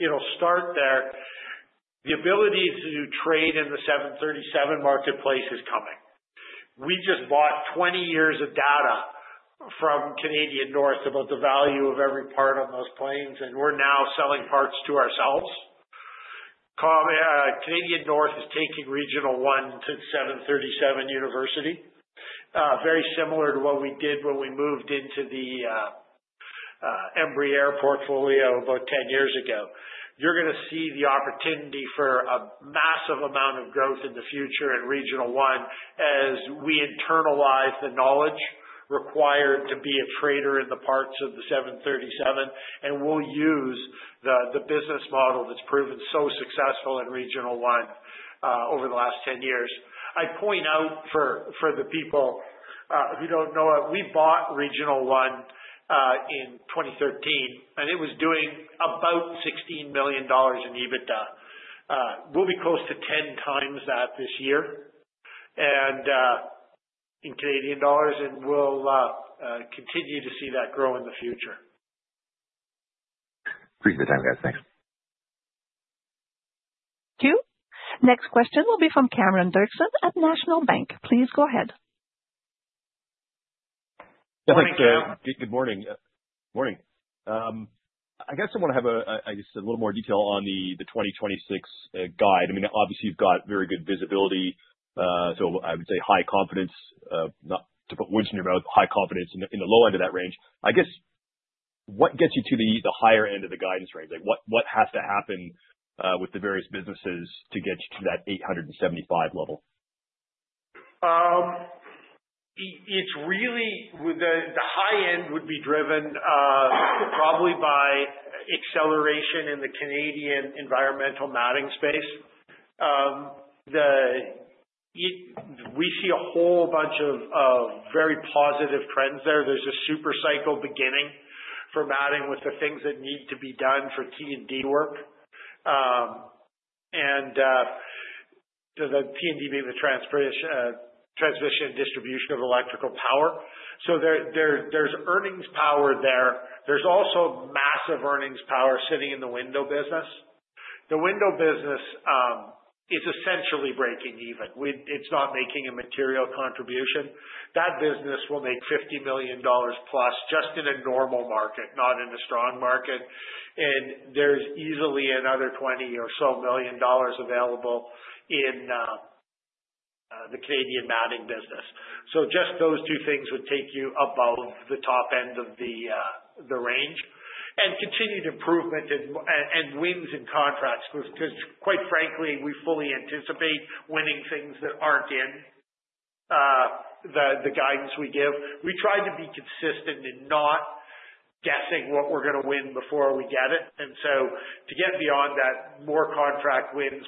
it'll start there. The ability to trade in the 737 marketplace is coming. We just bought 20 years of data from Canadian North about the value of every part on those planes, and we're now selling parts to ourselves. Canadian North is taking Regional One to 737 University, very similar to what we did when we moved into the Embraer portfolio about 10 years ago. You're going to see the opportunity for a massive amount of growth in the future in Regional One as we internalize the knowledge required to be a trader in the parts of the 737 and will use the business model that's proven so successful in Regional One over the last 10 years. I'd point out for the people who don't know, we bought Regional One in 2013, and it was doing about 16 million dollars in EBITDA. We'll be close to 10 times that this year in Canadian dollars, and we'll continue to see that grow in the future. Appreciate the time, guys. Thanks. Thank you. Next question will be from Cameron Doerksen at National Bank Financial. Please go ahead. Thanks, Dan. Good morning. Morning. I guess I want to have just a little more detail on the 2026 guide. I mean, obviously, you've got very good visibility. I would say high confidence, not to put words in your mouth, high confidence in the low end of that range. I guess what gets you to the higher end of the guidance range? What has to happen with the various businesses to get you to that 875 level? The high end would be driven probably by acceleration in the Canadian environmental matting space. We see a whole bunch of very positive trends there. There's a super cycle beginning for matting with the things that need to be done for T&D work, and the T&D being the transmission and distribution of electrical power. So there's earnings power there. There's also massive earnings power sitting in the window business. The window business is essentially breaking even. It's not making a material contribution. That business will make 50 million dollars plus just in a normal market, not in a strong market. There's easily another 20 million or so available in the Canadian matting business. So just those two things would take you above the top end of the range and continued improvement and wins in contracts because, quite frankly, we fully anticipate winning things that aren't in the guidance we give. We try to be consistent in not guessing what we're going to win before we get it. To get beyond that, more contract wins,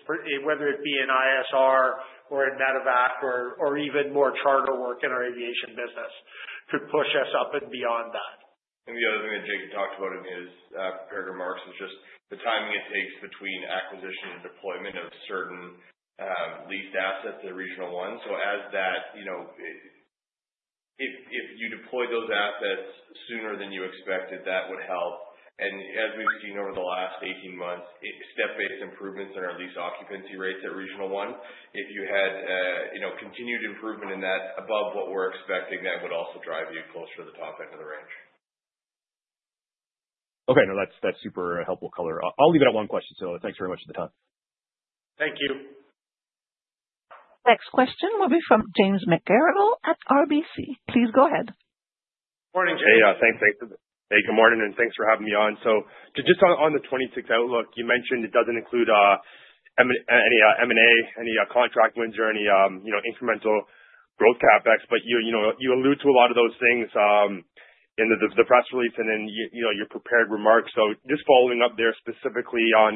whether it be in ISR or in Medevac or even more charter work in our aviation business, could push us up and beyond that. The other thing that Jake talked about in his charter remarks is just the timing it takes between acquisition and deployment of certain leased assets in Regional One. So as that, if you deploy those assets sooner than you expected, that would help. And as we've seen over the last 18 months, step-based improvements in our lease occupancy rates at Regional One, if you had continued improvement in that above what we're expecting, that would also drive you closer to the top end of the range. Okay. No, that's super helpful color. I'll leave it at one question. So thanks very much for the time. Thank you. Next question will be from James McGarragle at RBC. Please go ahead. Morning, James. Hey, thanks. Hey, good morning. And thanks for having me on. So just on the 2026 outlook, you mentioned it doesn't include any M&A, any contract wins, or any incremental growth CapEx, but you allude to a lot of those things in the press release and in your prepared remarks. So just following up there specifically on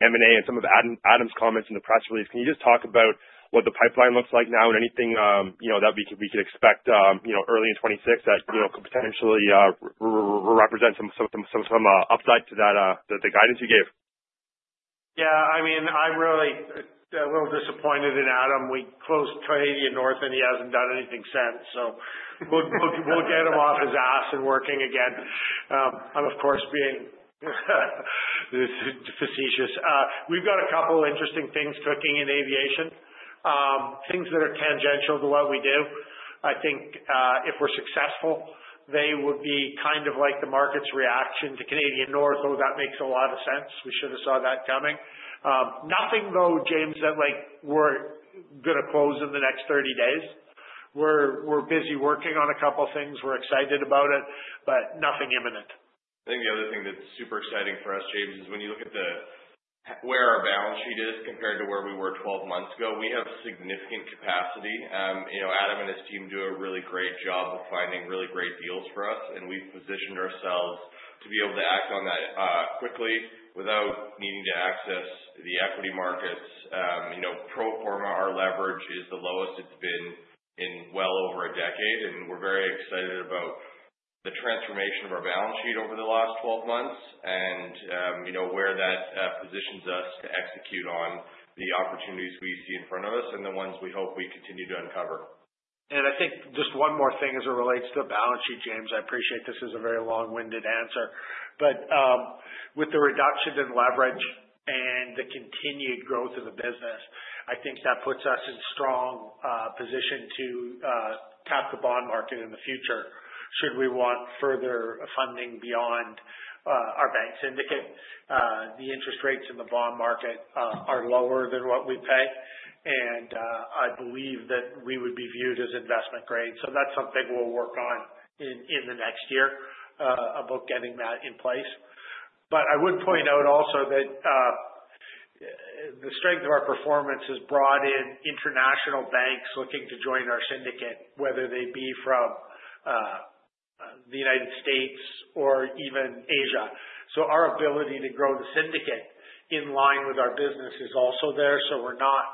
M&A and some of Adam's comments in the press release, can you just talk about what the pipeline looks like now and anything that we could expect early in 2026 that could potentially represent some upside to the guidance you gave? Yeah. I mean, I'm really a little disappointed in Adam. We closed Canadian North, and he hasn't done anything since. So we'll get him off his ass and working again. I'm, of course, being facetious. We've got a couple of interesting things cooking in aviation, things that are tangential to what we do. I think if we're successful, they would be kind of like the market's reaction to Canadian North, though that makes a lot of sense. We should have saw that coming. Nothing, though, James, that we're going to close in the next 30 days. We're busy working on a couple of things. We're excited about it, but nothing imminent. I think the other thing that's super exciting for us, James, is when you look at where our balance sheet is compared to where we were 12 months ago, we have significant capacity. Adam and his team do a really great job of finding really great deals for us, and we've positioned ourselves to be able to act on that quickly without needing to access the equity markets. Pro forma, our leverage is the lowest. It's been in well over a decade, and we're very excited about the transformation of our balance sheet over the last 12 months and where that positions us to execute on the opportunities we see in front of us and the ones we hope we continue to uncover. And I think just one more thing as it relates to the balance sheet, James. I appreciate this is a very long-winded answer, but with the reduction in leverage and the continued growth of the business, I think that puts us in a strong position to tap the bond market in the future should we want further funding beyond our bank syndicate. The interest rates in the bond market are lower than what we pay, and I believe that we would be viewed as investment-grade. So that's something we'll work on in the next year about getting that in place. But I would point out also that the strength of our performance has brought in international banks looking to join our syndicate, whether they be from the United States or even Asia. So our ability to grow the syndicate in line with our business is also there. So we're not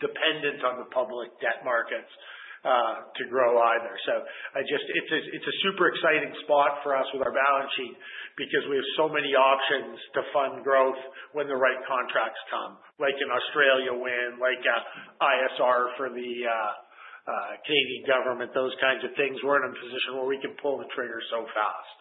dependent on the public debt markets to grow either. So it's a super exciting spot for us with our balance sheet because we have so many options to fund growth when the right contracts come, like an Australia win, like ISR for the Canadian government, those kinds of things. We're in a position where we can pull the trigger so fast.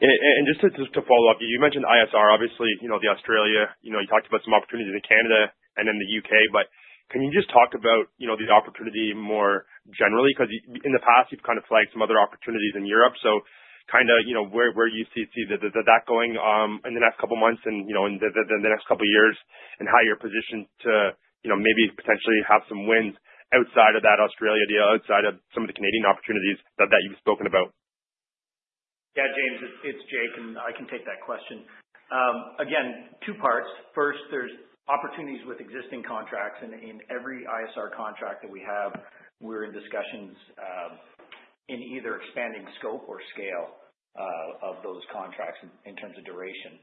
And just to follow up, you mentioned ISR. Obviously, the Australia, you talked about some opportunities in Canada and in the UK, but can you just talk about the opportunity more generally? Because in the past, you've kind of flagged some other opportunities in Europe. So kind of where do you see that going in the next couple of months and the next couple of years and how you're positioned to maybe potentially have some wins outside of that Australia deal, outside of some of the Canadian opportunities that you've spoken about? Yeah, James, it's Jake, and I can take that question. Again, two parts. First, there's opportunities with existing contracts. And in every ISR contract that we have, we're in discussions in either expanding scope or scale of those contracts in terms of duration.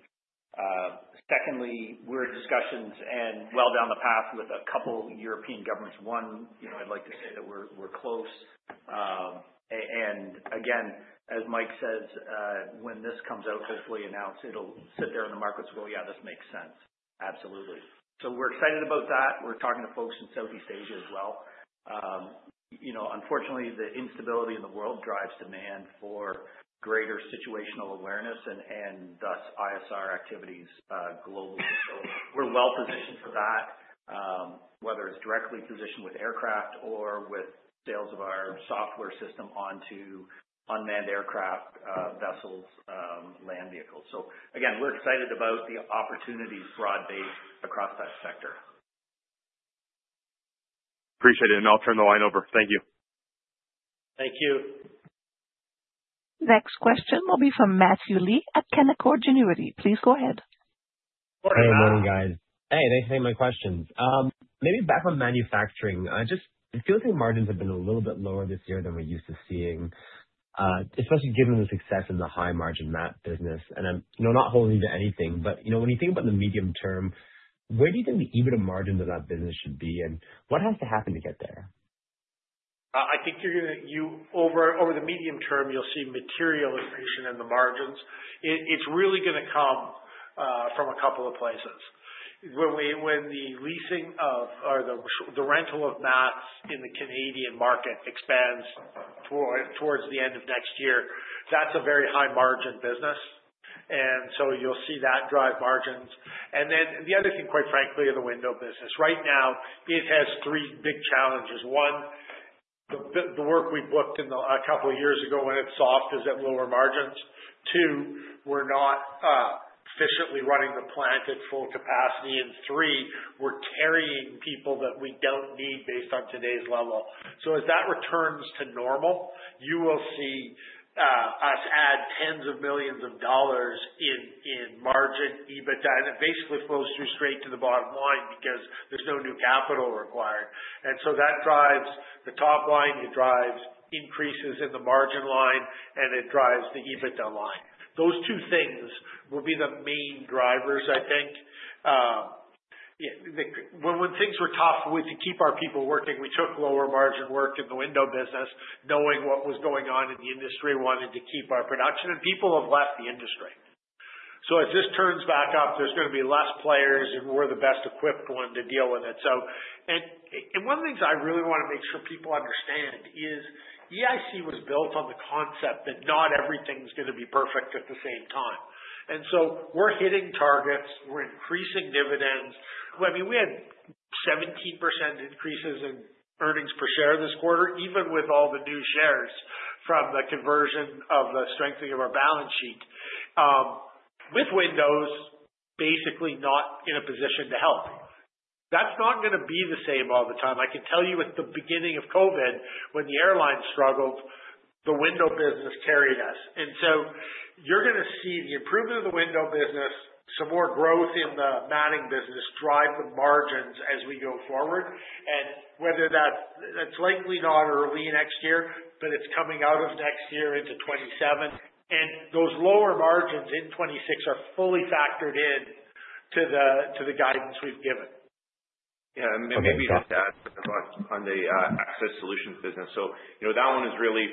Secondly, we're in discussions and well down the path with a couple of European governments. One, I'd like to say that we're close. And again, as Mike says, when this comes out, hopefully announced, it'll sit there in the markets. Well, yeah, this makes sense. Absolutely. So we're excited about that. We're talking to folks in Southeast Asia as well. Unfortunately, the instability in the world drives demand for greater situational awareness and thus ISR activities globally. So we're well positioned for that, whether it's directly positioned with aircraft or with sales of our software system onto unmanned aircraft, vessels, land vehicles. So again, we're excited about the opportunities broadly across that sector. Appreciate it. And I'll turn the line over. Thank you. Thank you. Next question will be from Matthew Lee at Canaccord Genuity. Please go ahead. Morning, guys. Hey, thanks for taking my questions. Maybe back on manufacturing. I feel like margins have been a little bit lower this year than we're used to seeing, especially given the success in the high-margin mat business. And I'm not holding to anything, but when you think about the medium term, where do you think the EBITDA margin of that business should be, and what has to happen to get there? I think over the medium term, you'll see materialization in the margins. It's really going to come from a couple of places. When the leasing of or the rental of mats in the Canadian market expands towards the end of next year, that's a very high-margin business. And so you'll see that drive margins. And then the other thing, quite frankly, of the window business. Right now, it has three big challenges. One, the work we booked a couple of years ago when it's soft is at lower margins. Two, we're not efficiently running the plant at full capacity. And three, we're carrying people that we don't need based on today's level. So as that returns to normal, you will see us add tens of millions of CAD in margin EBITDA. And it basically flows straight to the bottom line because there's no new capital required. And so that drives the top line. It drives increases in the margin line, and it drives the EBITDA line. Those two things will be the main drivers, I think. When things were tough, we had to keep our people working. We took lower-margin work in the window business, knowing what was going on in the industry, wanting to keep our production. And people have left the industry. So as this turns back up, there's going to be less players, and we're the best equipped one to deal with it. And one of the things I really want to make sure people understand is EIC was built on the concept that not everything's going to be perfect at the same time. And so we're hitting targets. We're increasing dividends. I mean, we had 17% increases in earnings per share this quarter, even with all the new shares from the conversion of the strengthening of our balance sheet. With windows basically not in a position to help. That's not going to be the same all the time. I can tell you at the beginning of COVID, when the airlines struggled, the window business carried us. And so you're going to see the improvement of the window business, some more growth in the matting business drive the margins as we go forward. And whether that's likely not early next year, but it's coming out of next year into 2027. And those lower margins in 2026 are fully factored into the guidance we've given. Yeah. And maybe just to add to the thought on the access solutions business. So that one is really,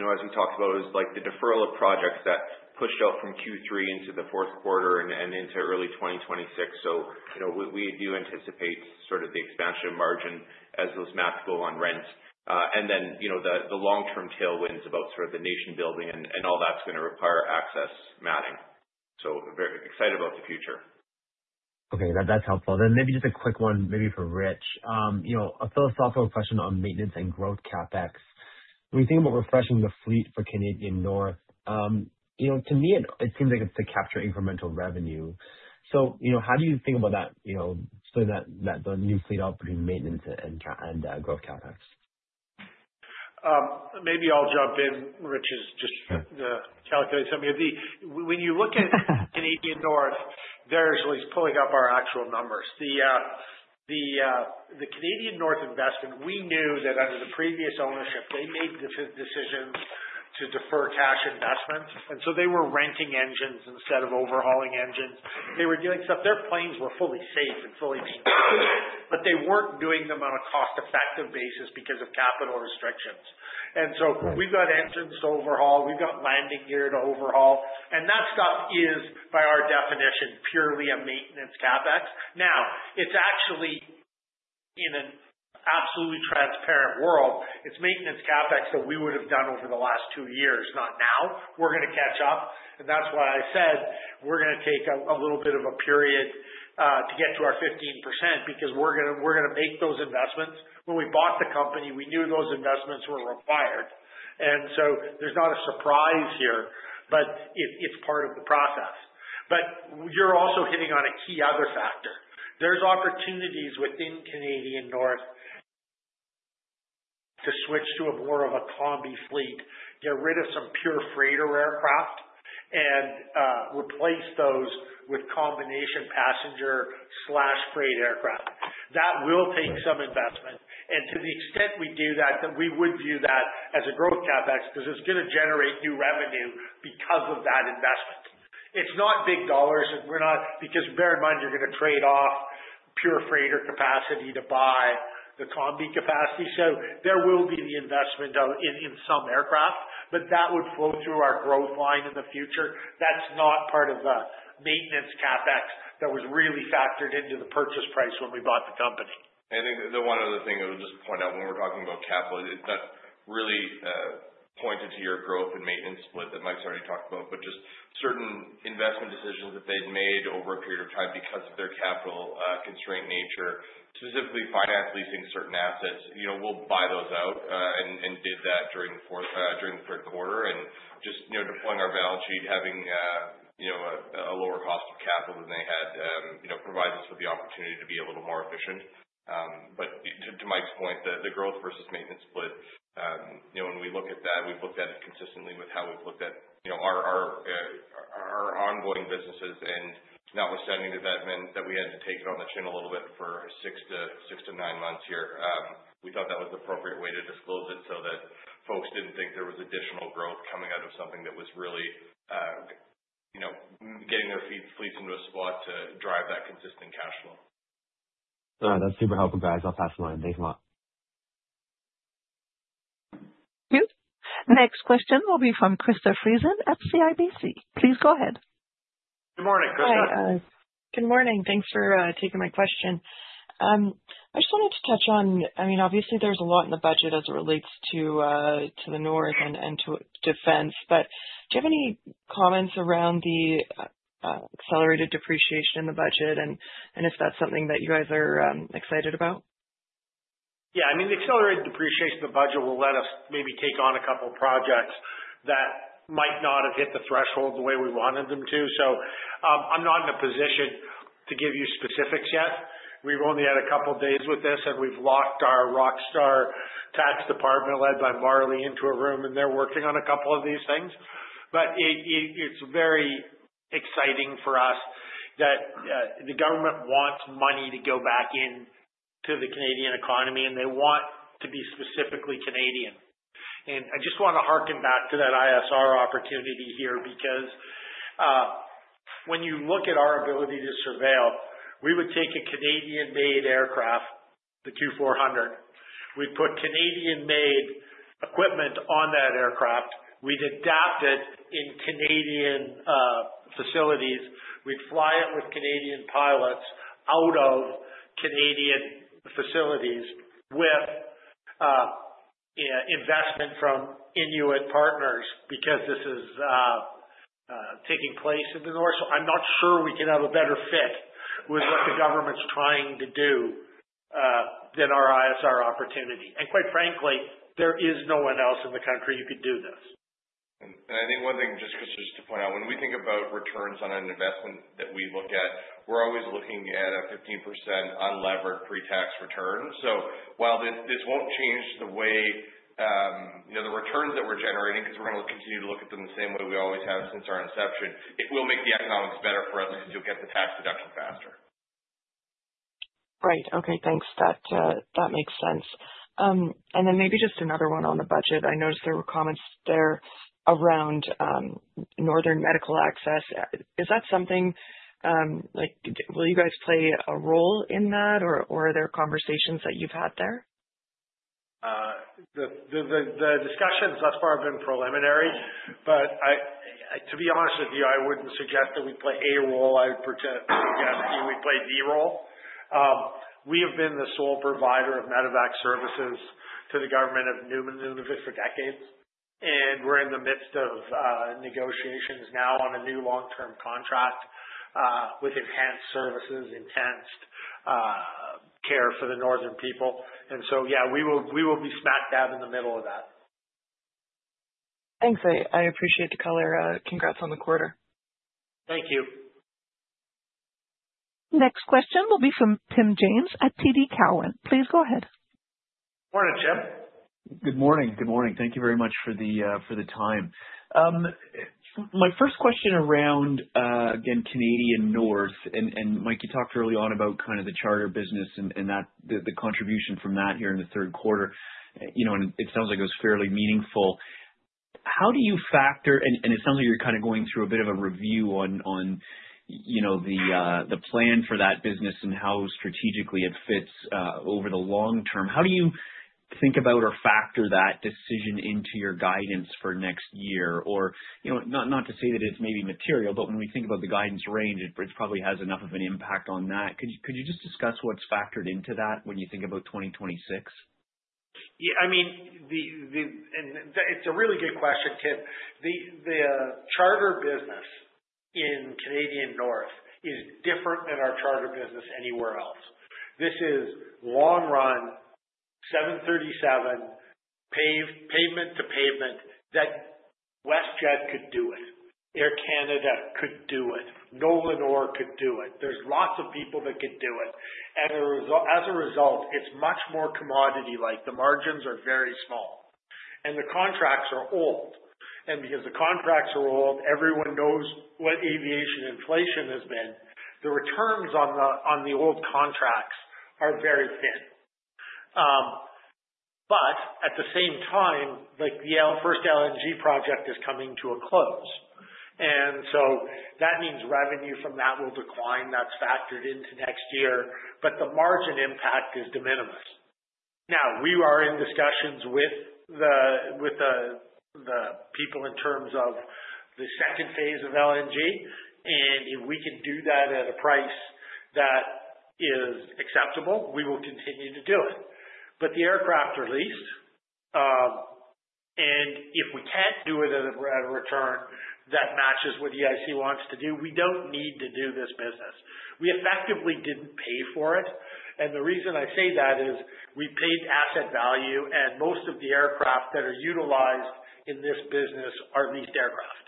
as we talked about, is the deferral of projects that pushed out from Q3 into the fourth quarter and into early 2026. So we do anticipate sort of the expansion of margin as those mats go on rent. And then the long-term tailwinds about sort of the nation building and all that's going to require access matting. So very excited about the future. Okay. That's helpful. Then maybe just a quick one, maybe for Rich. A philosophical question on maintenance and growth CapEx. When you think about refreshing the fleet for Canadian North, to me, it seems like it's to capture incremental revenue. So how do you think about that, the new fleet operating maintenance and growth CapEx? Maybe I'll jump in, Rich, is just the calculation. When you look at Canadian North, there's at least pulling up our actual numbers. The Canadian North investment, we knew that under the previous ownership, they made the decision to defer cash investments. And so they were renting engines instead of overhauling engines. They were doing stuff. Their planes were fully safe and fully constructed, but they weren't doing them on a cost-effective basis because of capital restrictions. And so we've got engines to overhaul. We've got landing gear to overhaul. And that stuff is, by our definition, purely a maintenance CapEx. Now, it's actually, in an absolutely transparent world, it's maintenance CapEx that we would have done over the last two years, not now. We're going to catch up. And that's why I said we're going to take a little bit of a period to get to our 15% because we're going to make those investments. When we bought the company, we knew those investments were required. And so there's not a surprise here, but it's part of the process. But you're also hitting on a key other factor. There's opportunities within Canadian North to switch to a more of a combi fleet, get rid of some pure freighter aircraft, and replace those with combination passenger/freight aircraft. That will take some investment. And to the extent we do that, we would view that as a growth CapEx because it's going to generate new revenue because of that investment. It's not big dollars because bear in mind, you're going to trade off pure freighter capacity to buy the combi capacity. So there will be the investment in some aircraft, but that would flow through our growth line in the future. That's not part of the maintenance CapEx that was really factored into the purchase price when we bought the company. I think the one other thing I would just point out when we're talking about capital is that really pointed to your growth and maintenance split that Mike's already talked about, but just certain investment decisions that they'd made over a period of time because of their capital constraint nature, specifically finance leasing certain assets. We'll buy those out and did that during the third quarter. And just deploying our balance sheet, having a lower cost of capital than they had provides us with the opportunity to be a little more efficient. But to Mike's point, the growth versus maintenance split, when we look at that, we've looked at it consistently with how we've looked at our ongoing businesses. And that was the sentiment that we had to take it on the chin a little bit for six to nine months here. We thought that was the appropriate way to disclose it so that folks didn't think there was additional growth coming out of something that was really getting their fleets into a spot to drive that consistent cash flow. That's super helpful, guys. I'll pass the line. Thanks a lot. Thanks. Next question will be from Krista Friesen at CIBC. Please go ahead. Good morning. Good morning. Hi. Good morning. Thanks for taking my question. I just wanted to touch on, I mean, obviously, there's a lot in the budget as it relates to the North and to defense, but do you have any comments around the accelerated depreciation in the budget and if that's something that you guys are excited about? Yeah. I mean, the accelerated depreciation of the budget will let us maybe take on a couple of projects that might not have hit the threshold the way we wanted them to, so I'm not in a position to give you specifics yet. We've only had a couple of days with this, and we've locked our rockstar Tax Department led by Marley into a room, and they're working on a couple of these things, but it's very exciting for us that the government wants money to go back into the Canadian economy, and they want to be specifically Canadian, and I just want to hearken back to that ISR opportunity here because when you look at our ability to surveil, we would take a Canadian-made aircraft, the Q400. We'd put Canadian-made equipment on that aircraft. We'd adapt it in Canadian facilities. We'd fly it with Canadian pilots out of Canadian facilities with investment from Inuit partners because this is taking place in the North. So I'm not sure we can have a better fit with what the government's trying to do than our ISR opportunity. And quite frankly, there is no one else in the country who could do this. And I think one thing, just to point out, when we think about returns on an investment that we look at, we're always looking at a 15% unlevered pre-tax return. So while this won't change the way the returns that we're generating, because we're going to continue to look at them the same way we always have since our inception, it will make the economics better for us because you'll get the tax deduction faster. Right. Okay. Thanks. That makes sense. And then maybe just another one on the budget. I noticed there were comments there around northern medical access. Is that something will you guys play a role in that, or are there conversations that you've had there? The discussions, thus far, have been preliminary. But to be honest with you, I wouldn't suggest that we play a role. I would suggest we play a role. We have been the sole provider of medevac services to the Government of Nunavut for decades. And we're in the midst of negotiations now on a new long-term contract with enhanced services, enhanced care for the Northern people. And so, yeah, we will be smack dab in the middle of that. Thanks. I appreciate the color. Congrats on the quarter. Thank you. Next question will be from Tim James at TD Cowen. Please go ahead. Morning, Tim. Good morning. Good morning. Thank you very much for the time. My first question around, again, Canadian North. And Mike, you talked early on about kind of the charter business and the contribution from that here in the third quarter. And it sounds like it was fairly meaningful. How do you factor, and it sounds like you're kind of going through a bit of a review on the plan for that business and how strategically it fits over the long term, how do you think about or factor that decision into your guidance for next year? Or not to say that it's maybe material, but when we think about the guidance range, it probably has enough of an impact on that. Could you just discuss what's factored into that when you think about 2026? Yeah. I mean, it's a really good question, Tim. The charter business in Canadian North is different than our charter business anywhere else. This is long-run 737 pavement-to-pavement that WestJet could do it. Air Canada could do it. Nolinor could do it. There's lots of people that could do it. And as a result, it's much more commodity-like. The margins are very small. And the contracts are old. And because the contracts are old, everyone knows what aviation inflation has been. The returns on the old contracts are very thin. But at the same time, the first LNG project is coming to a close. And so that means revenue from that will decline. That's factored into next year. But the margin impact is de minimis. Now, we are in discussions with the people in terms of the second phase of LNG. And if we can do that at a price that is acceptable, we will continue to do it. But the aircraft are leased. If we can't do it at a return that matches what EIC wants to do, we don't need to do this business. We effectively didn't pay for it. And the reason I say that is we paid asset value, and most of the aircraft that are utilized in this business are leased aircraft.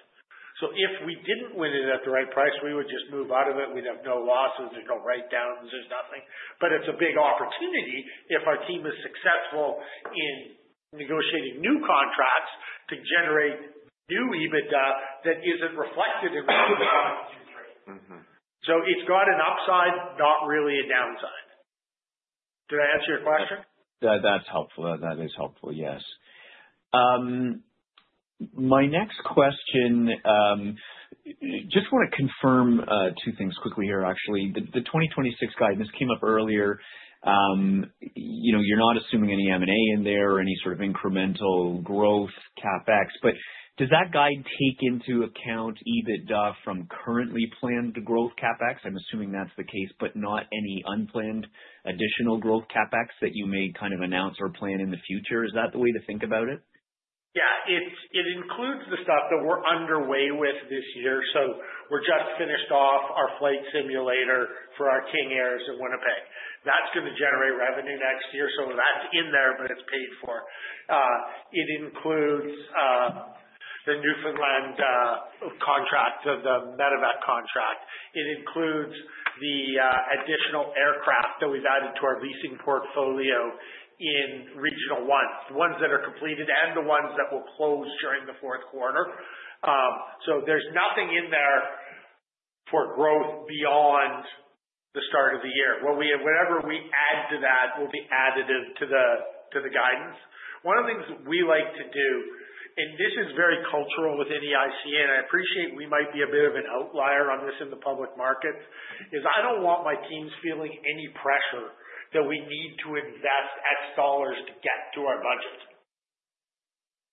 So if we didn't win it at the right price, we would just move out of it. We'd have no losses. There's no write-downs. There's nothing. But it's a big opportunity if our team is successful in negotiating new contracts to generate new EBITDA that isn't reflected in the Q3. So it's got an upside, not really a downside. Did I answer your question? That's helpful. That is helpful. Yes. My next question, just want to confirm two things quickly here, actually. The 2026 guidance came up earlier. You're not assuming any M&A in there or any sort of incremental growth CapEx. But does that guide take into account EBITDA from currently planned growth CapEx? I'm assuming that's the case, but not any unplanned additional growth CapEx that you may kind of announce or plan in the future. Is that the way to think about it? Yeah. It includes the stuff that we're underway with this year. So we're just finished off our flight simulator for our King Airs in Winnipeg. That's going to generate revenue next year. So that's in there, but it's paid for. It includes the Newfoundland contract, the medevac contract. It includes the additional aircraft that we've added to our leasing portfolio in Regional One, the ones that are completed and the ones that will close during the fourth quarter. So there's nothing in there for growth beyond the start of the year. Whatever we add to that will be additive to the guidance. One of the things we like to do, and this is very cultural within EIC, and I appreciate we might be a bit of an outlier on this in the public markets, is I don't want my teams feeling any pressure that we need to invest X dollars to get to our budget.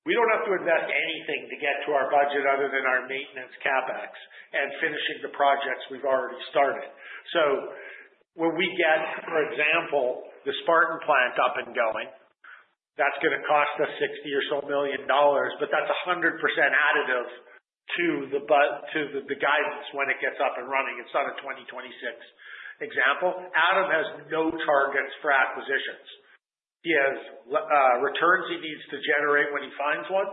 We don't have to invest anything to get to our budget other than our maintenance CapEx and finishing the projects we've already started. So when we get, for example, the Spartan plant up and going, that's going to cost us 60 million or so, but that's 100% additive to the guidance when it gets up and running. It's not a 2026 example. Adam has no targets for acquisitions. He has returns he needs to generate when he finds one.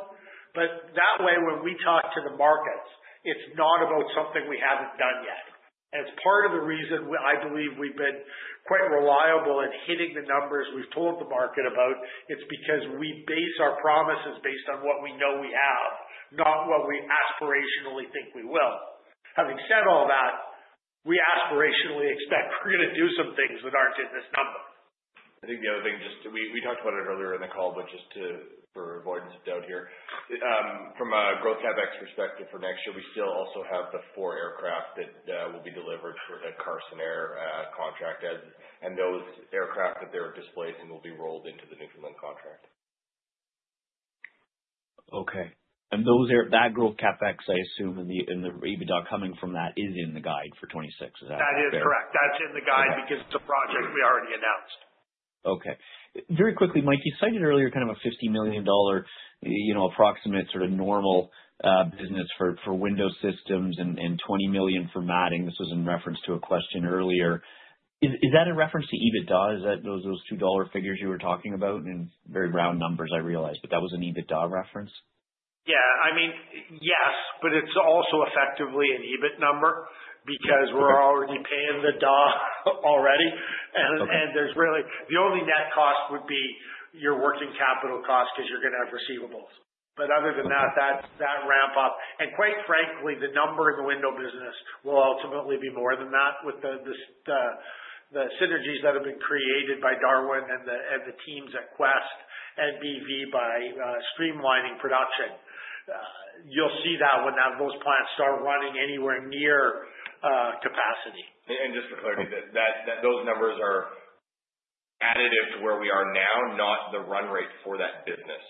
But that way, when we talk to the markets, it's not about something we haven't done yet. As part of the reason I believe we've been quite reliable at hitting the numbers we've told the market about, it's because we base our promises based on what we know we have, not what we aspirationally think we will. Having said all that, we aspirationally expect we're going to do some things that aren't in this number. I think the other thing, just we talked about it earlier in the call, but just for avoidance of doubt here, from a growth CapEx perspective for next year, we still also have the four aircraft that will be delivered for the Carson Air contract, and those aircraft that they're displacing will be rolled into the Newfoundland contract. Okay. And that growth CapEx, I assume, and the EBITDA coming from that is in the guide for 2026. Is that accurate? That is correct. That's in the guide because it's a project we already announced. Okay. Very quickly, Mike, you cited earlier kind of a $50 million approximate sort of normal business for window systems and $20 million for matting. This was in reference to a question earlier. Is that in reference to EBITDA? Is that those $2 figures you were talking about? And very round numbers, I realize, but that was an EBITDA reference? Yeah. I mean, yes, but it's also effectively an EBIT number because we're already paying the D&A. And the only net cost would be your working capital cost because you're going to have receivables. But other than that, that ramp-up. And quite frankly, the number in the window business will ultimately be more than that with the synergies that have been created by Martin and the teams at Quest and BV by streamlining production. You'll see that when those plants start running anywhere near capacity. And just for clarity, those numbers are additive to where we are now, not the run rate for that business.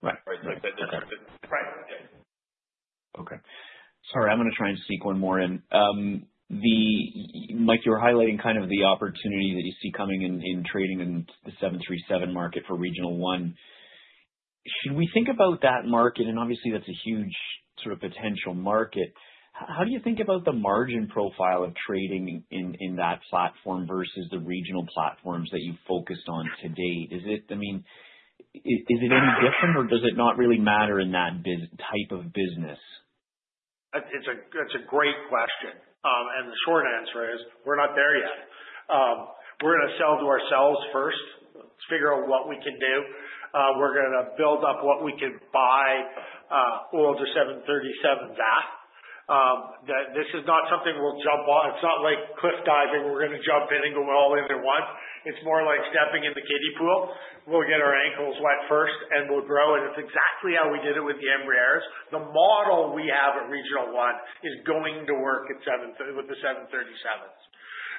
Right. Right. Okay. Sorry. I'm going to try and sneak one more in. Mike, you were highlighting kind of the opportunity that you see coming in trading in the 737 market for Regional One. Should we think about that market? And obviously, that's a huge sort of potential market. How do you think about the margin profile of trading in that platform versus the regional platforms that you focused on to date? I mean, is it any different, or does it not really matter in that type of business? It's a great question, and the short answer is we're not there yet. We're going to sell to ourselves first, figure out what we can do. We're going to build up what we can buy or the 737 fleet. This is not something we'll jump on. It's not like cliff diving. We're going to jump in and go all in at once. It's more like stepping in the kiddie pool. We'll get our ankles wet first, and we'll grow, and it's exactly how we did it with the Embraers. The model we have at Regional One is going to work with the 737s,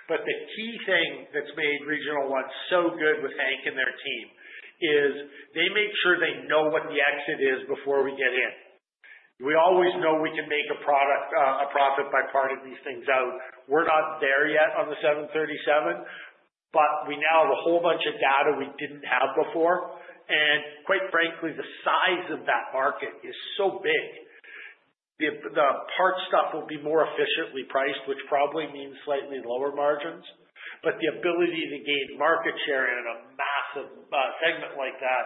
but the key thing that's made Regional One so good with Hank and their team is they make sure they know what the exit is before we get in. We always know we can make a profit by parting these things out. We're not there yet on the 737, but we now have a whole bunch of data we didn't have before. Quite frankly, the size of that market is so big. The parts stuff will be more efficiently priced, which probably means slightly lower margins. The ability to gain market share in a massive segment like that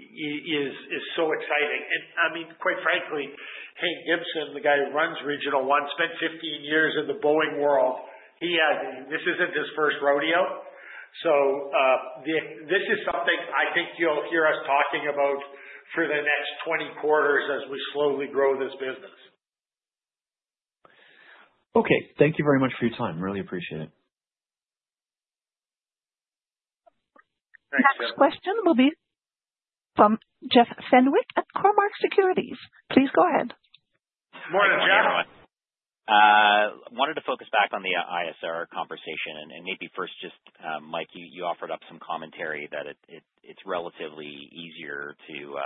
is so exciting. I mean, quite frankly, Hank Gibson, the guy who runs Regional One, spent 15 years in the Boeing world. This isn't his first rodeo. This is something I think you'll hear us talking about for the next 20 quarters as we slowly grow this business. Okay. Thank you very much for your time. Really appreciate it. Thanks. Next question will be from Jeff Fenwick at Cormark Securities. Please go ahead. Morning, Jeff. Wanted to focus back on the ISR conversation. And maybe first, just Mike, you offered up some commentary that it's relatively easier to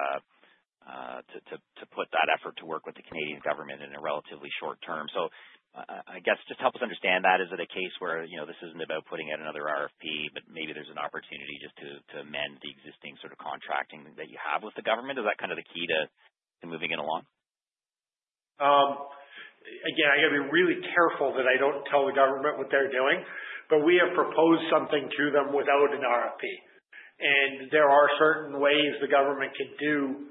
put that effort to work with the Canadian government in a relatively short term. So I guess just help us understand that. Is it a case where this isn't about putting out another RFP, but maybe there's an opportunity just to amend the existing sort of contracting that you have with the government? Is that kind of the key to moving it along? Again, I got to be really careful that I don't tell the government what they're doing. But we have proposed something to them without an RFP. And there are certain ways the government can do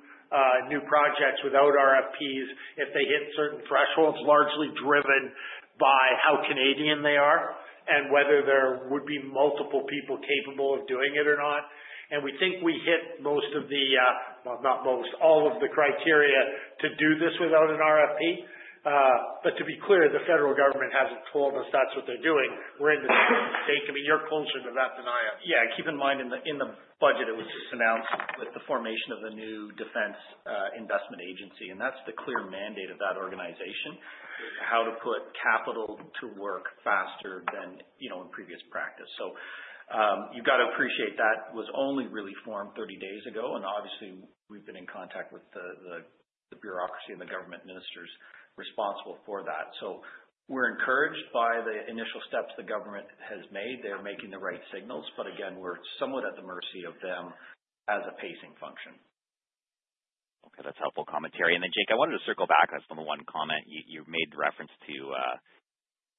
new projects without RFPs if they hit certain thresholds largely driven by how Canadian they are and whether there would be multiple people capable of doing it or not. And we think we hit most of the, well, not most, all of the criteria to do this without an RFP. But to be clear, the federal government hasn't told us that's what they're doing. We're in the same state. I mean, you're closer to that than I am. Yeah. Keep in mind in the budget, it was just announced with the formation of the new Defence Investment Agency. And that's the clear mandate of that organization, how to put capital to work faster than in previous practice. So you've got to appreciate that was only really formed 30 days ago. And obviously, we've been in contact with the bureaucracy and the government ministers responsible for that. So we're encouraged by the initial steps the government has made. They're making the right signals. But again, we're somewhat at the mercy of them as a pacing function. Okay. That's helpful commentary. Then, Jake, I wanted to circle back on one comment. You made reference to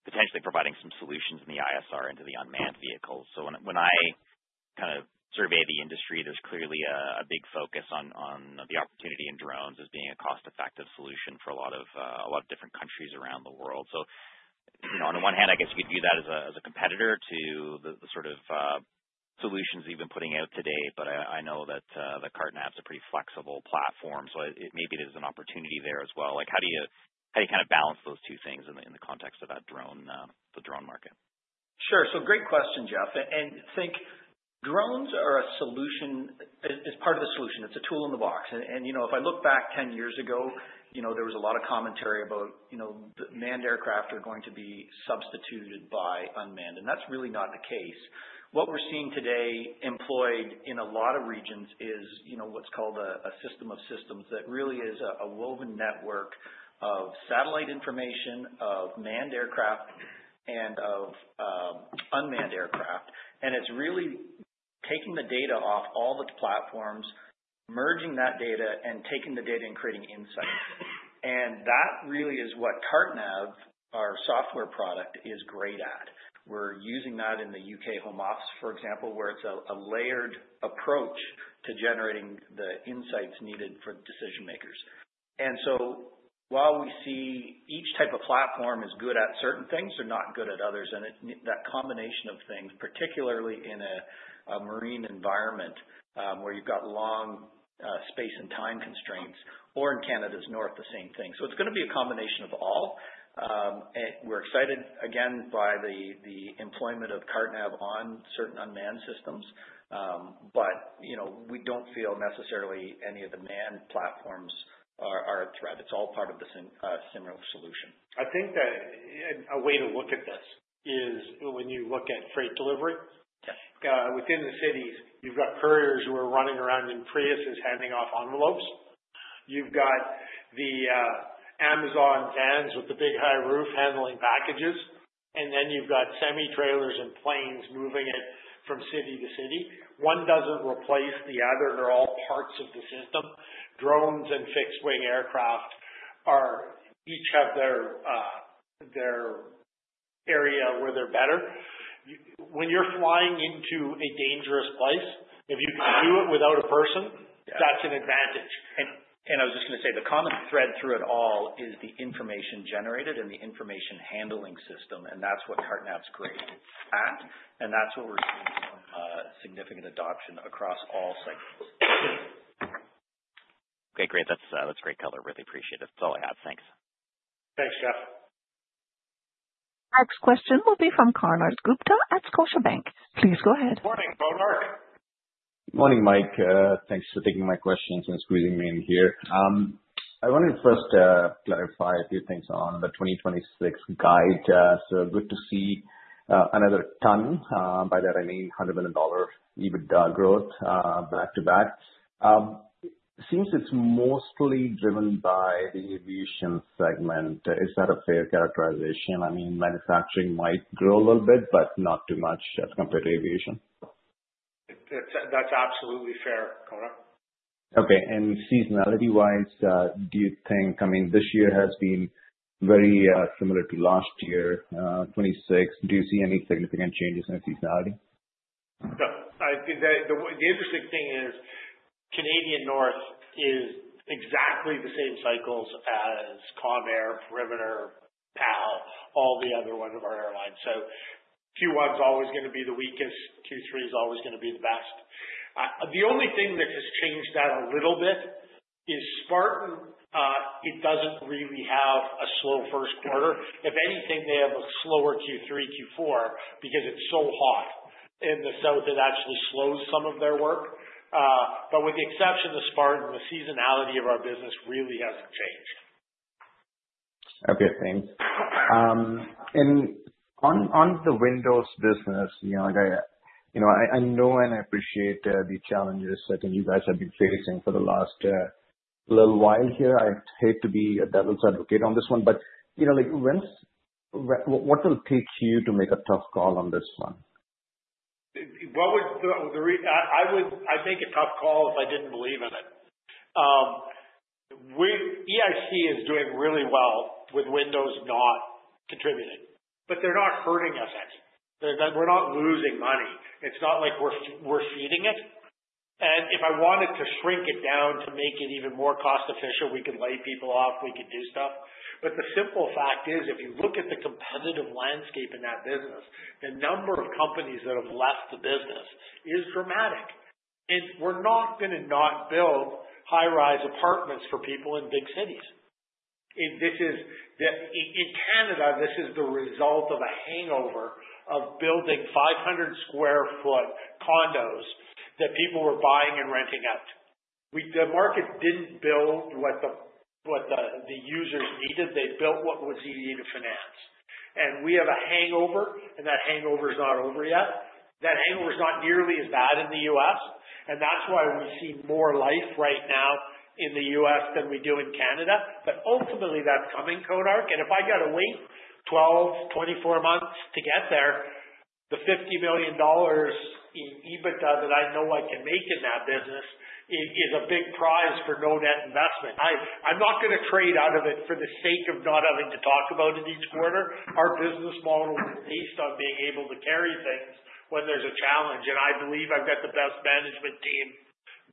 potentially providing some solutions in the ISR into the unmanned vehicles. So when I kind of survey the industry, there's clearly a big focus on the opportunity in drones as being a cost-effective solution for a lot of different countries around the world. So on the one hand, I guess you could view that as a competitor to the sort of solutions that you've been putting out today. But I know that the CarteNav's a pretty flexible platform. So maybe there's an opportunity there as well. How do you kind of balance those two things in the context of the drone market? Sure. So great question, Jeff. And think drones are a solution as part of the solution. It's a tool in the box. And if I look back 10 years ago, there was a lot of commentary about manned aircraft are going to be substituted by unmanned. And that's really not the case. What we're seeing today employed in a lot of regions is what's called a system of systems that really is a woven network of satellite information, of manned aircraft, and of unmanned aircraft. And it's really taking the data off all the platforms, merging that data, and taking the data and creating insights. And that really is what CarteNav, our software product, is great at. We're using that in the UK Home Office, for example, where it's a layered approach to generating the insights needed for decision-makers. And so while we see each type of platform is good at certain things, they're not good at others. And that combination of things, particularly in a marine environment where you've got long space and time constraints, or in Canada's North, the same thing. So it's going to be a combination of all. We're excited, again, by the employment of CarteNav on certain unmanned systems. But we don't feel necessarily any of the manned platforms are a threat. It's all part of the similar solution. I think that a way to look at this is when you look at freight delivery. Within the cities, you've got couriers who are running around in Priuses, handing off envelopes. You've got the Amazon vans with the big high roof handling packages. And then you've got semi-trailers and planes moving it from city to city. One doesn't replace the other. They're all parts of the system. Drones and fixed-wing aircraft each have their area where they're better. When you're flying into a dangerous place, if you can do it without a person, that's an advantage. And I was just going to say the common thread through it all is the information generated and the information handling system. And that's what CarteNav's great at. And that's what we're seeing significant adoption across all segments. Okay. Great. That's great color. Really appreciate it. That's all I have. Thanks. Thanks, Jeff. Next question will be from Konark Gupta at Scotiabank. Please go ahead. Morning, Konark. Morning, Mike. Thanks for taking my questions and squeezing me in here. I wanted to first clarify a few things on the 2026 guide. So good to see another ton, by that I mean 100 million dollars EBITDA growth back to back. Seems it's mostly driven by the aviation segment. Is that a fair characterization? I mean, manufacturing might grow a little bit, but not too much as compared to aviation. That's absolutely fair, Canadian North. Okay. And seasonality-wise, do you think I mean, this year has been very similar to last year, 2026. Do you see any significant changes in seasonality? No. The interesting thing is Canadian North is exactly the same cycles as Calm Air, Perimeter, PAL, all the other ones of our airlines. So Q1's always going to be the weakest. Q3's always going to be the best. The only thing that has changed that a little bit is Spartan. It doesn't really have a slow first quarter. If anything, they have a slower Q3, Q4 because it's so hot in the South. It actually slows some of their work. But with the exception of Spartan, the seasonality of our business really hasn't changed. Okay. Thanks. On the windows business, I know and I appreciate the challenges that you guys have been facing for the last little while here. I hate to be a devil's advocate on this one. What will take you to make a tough call on this one? I'd make a tough call if I didn't believe in it. EIC is doing really well with windows not contributing. They're not hurting us any. We're not losing money. It's not like we're feeding it. If I wanted to shrink it down to make it even more cost-efficient, we could lay people off. We could do stuff. The simple fact is, if you look at the competitive landscape in that business, the number of companies that have left the business is dramatic. We're not going to not build high-rise apartments for people in big cities. In Canada, this is the result of a hangover of building 500-sq ft condos that people were buying and renting out. The market didn't build what the users needed. They built what was easy to finance. And we have a hangover, and that hangover is not over yet. That hangover is not nearly as bad in the U.S. And that's why we see more life right now in the U.S. than we do in Canada. But ultimately, that's coming, Konark. And if I got to wait 12-24 months to get there, the 50 million dollars in EBITDA that I know I can make in that business is a big prize for no net investment. I'm not going to trade out of it for the sake of not having to talk about it each quarter. Our business model is based on being able to carry things when there's a challenge. I believe I've got the best management team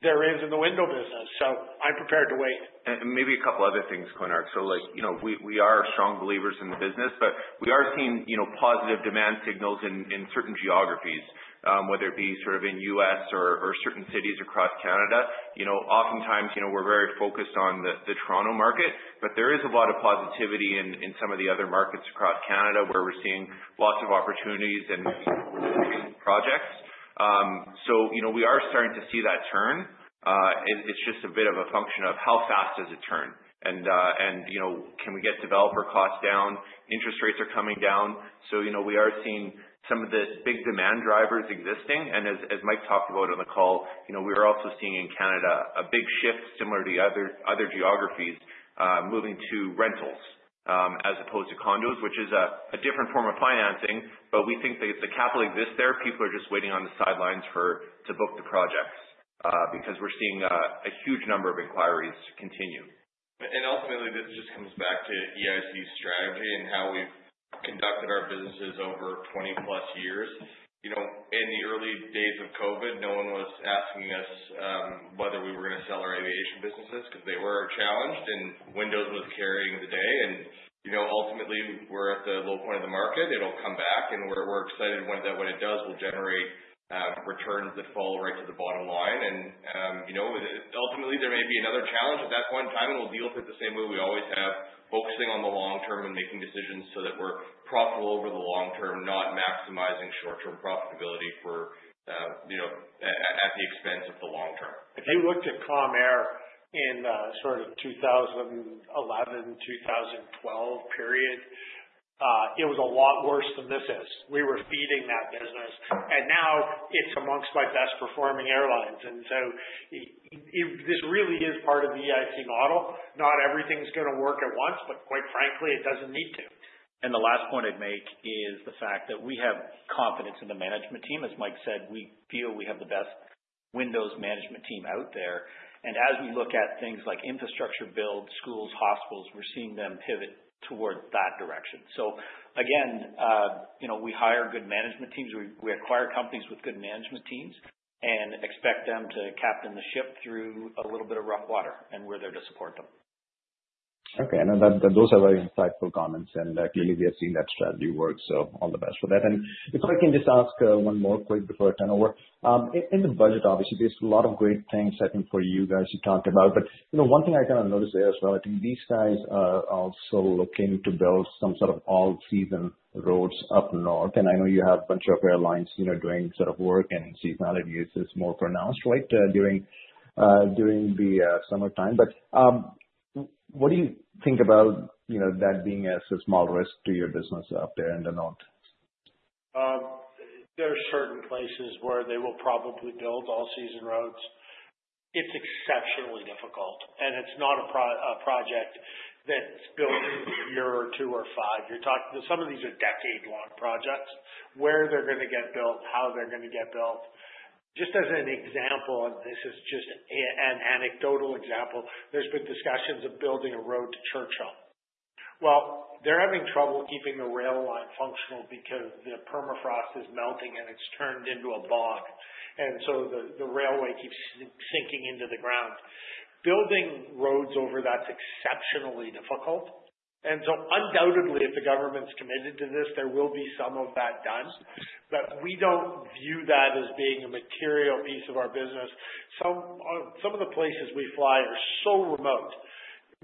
there is in the window business. So I'm prepared to wait. And maybe a couple of other things, Konark. We are strong believers in the business, but we are seeing positive demand signals in certain geographies, whether it be sort of in the U.S. or certain cities across Canada. Oftentimes, we're very focused on the Toronto market, but there is a lot of positivity in some of the other markets across Canada where we're seeing lots of opportunities and projects. So we are starting to see that turn. It's just a bit of a function of how fast does it turn? And can we get developer costs down? Interest rates are coming down. So we are seeing some of the big demand drivers existing. As Mike talked about on the call, we are also seeing in Canada a big shift similar to other geographies moving to rentals as opposed to condos, which is a different form of financing. We think that the capital exists there. People are just waiting on the sidelines to book the projects because we're seeing a huge number of inquiries continue. Ultimately, this just comes back to EIC's strategy and how we've conducted our businesses over 20-plus years. In the early days of COVID, no one was asking us whether we were going to sell our aviation businesses because they were challenged, and windows was carrying the day. Ultimately, we're at the low point of the market. It'll come back. We're excited when it does will generate returns that fall right to the bottom line. Ultimately, there may be another challenge at that point in time, and we'll deal with it the same way we always have, focusing on the long term and making decisions so that we're profitable over the long term, not maximizing short-term profitability at the expense of the long term. If you looked at Calm Air in sort of 2011, 2012 period, it was a lot worse than this is. We were feeding that business. And now it's among my best-performing airlines. And so this really is part of the EIC model. Not everything's going to work at once, but quite frankly, it doesn't need to. And the last point I'd make is the fact that we have confidence in the management team. As Mike said, we feel we have the best windows management team out there. And as we look at things like infrastructure builds, schools, hospitals, we're seeing them pivot toward that direction. So again, we hire good management teams. We acquire companies with good management teams and expect them to captain the ship through a little bit of rough water. And we're there to support them. Okay. And those are very insightful comments. And clearly, we have seen that strategy work. So all the best with that. And if I can just ask one more quick before I turn over. In the budget, obviously, there's a lot of great things, I think, for you guys to talk about. But one thing I kind of noticed there as well, I think these guys are also looking to build some sort of all-season roads up north. I know you have a bunch of airlines doing sort of work, and seasonality is more pronounced, right, during the summertime. What do you think about that being a small risk to your business up there in the north? There are certain places where they will probably build all-season roads. It's exceptionally difficult. It's not a project that's built in a year or two or five. Some of these are decade-long projects. Where they're going to get built, how they're going to get built. Just as an example, and this is just an anecdotal example, there's been discussions of building a road to Churchill. They're having trouble keeping the rail line functional because the permafrost is melting and it's turned into a bog. So the railway keeps sinking into the ground. Building roads over that's exceptionally difficult. Undoubtedly, if the government's committed to this, there will be some of that done. But we don't view that as being a material piece of our business. Some of the places we fly are so remote,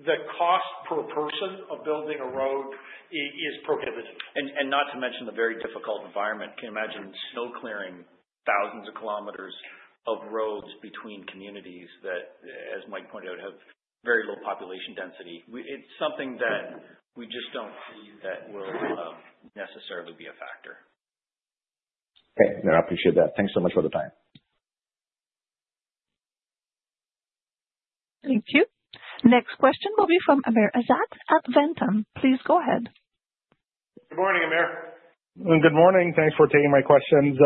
the cost per person of building a road is prohibitive. And not to mention the very difficult environment. Can you imagine snow clearing thousands of kilometers of roads between communities that, as Mike pointed out, have very low population density? It's something that we just don't see that will necessarily be a factor. Okay. No, I appreciate that. Thanks so much for the time. Thank you. Next question will be from Amr Ezzat at Ventum Financial. Please go ahead. Good morning, Amr. Good morning. Thanks for taking my questions.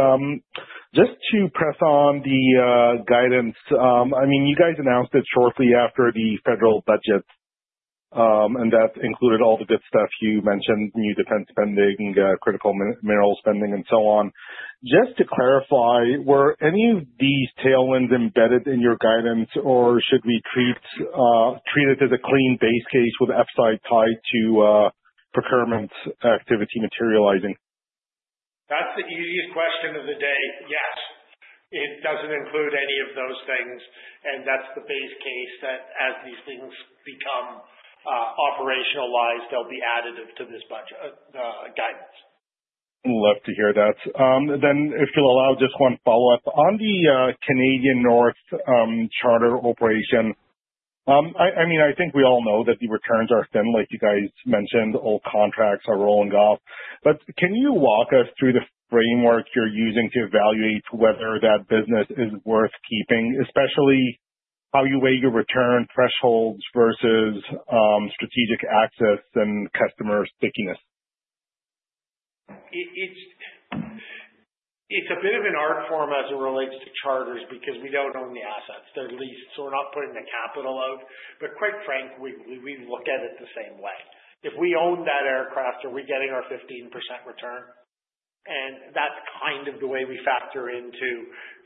Just to press on the guidance, I mean, you guys announced it shortly after the federal budget, and that included all the good stuff you mentioned: new defense spending, critical mineral spending, and so on. Just to clarify, were any of these tailwinds embedded in your guidance, or should we treat it as a clean base case with upside tied to procurement activity materializing? That's the easiest question of the day. Yes. It doesn't include any of those things, and that's the base case that as these things become operationalized, they'll be added to this guidance. Love to hear that, then, if you'll allow, just one follow-up. On the Canadian North charter operation, I mean, I think we all know that the returns are thin, like you guys mentioned. All contracts are rolling off. But can you walk us through the framework you're using to evaluate whether that business is worth keeping, especially how you weigh your return thresholds versus strategic access and customer stickiness? It's a bit of an art form as it relates to charters because we don't own the assets. They're leased. So we're not putting the capital out. But quite frankly, we look at it the same way. If we own that aircraft, are we getting our 15% return? And that's kind of the way we factor into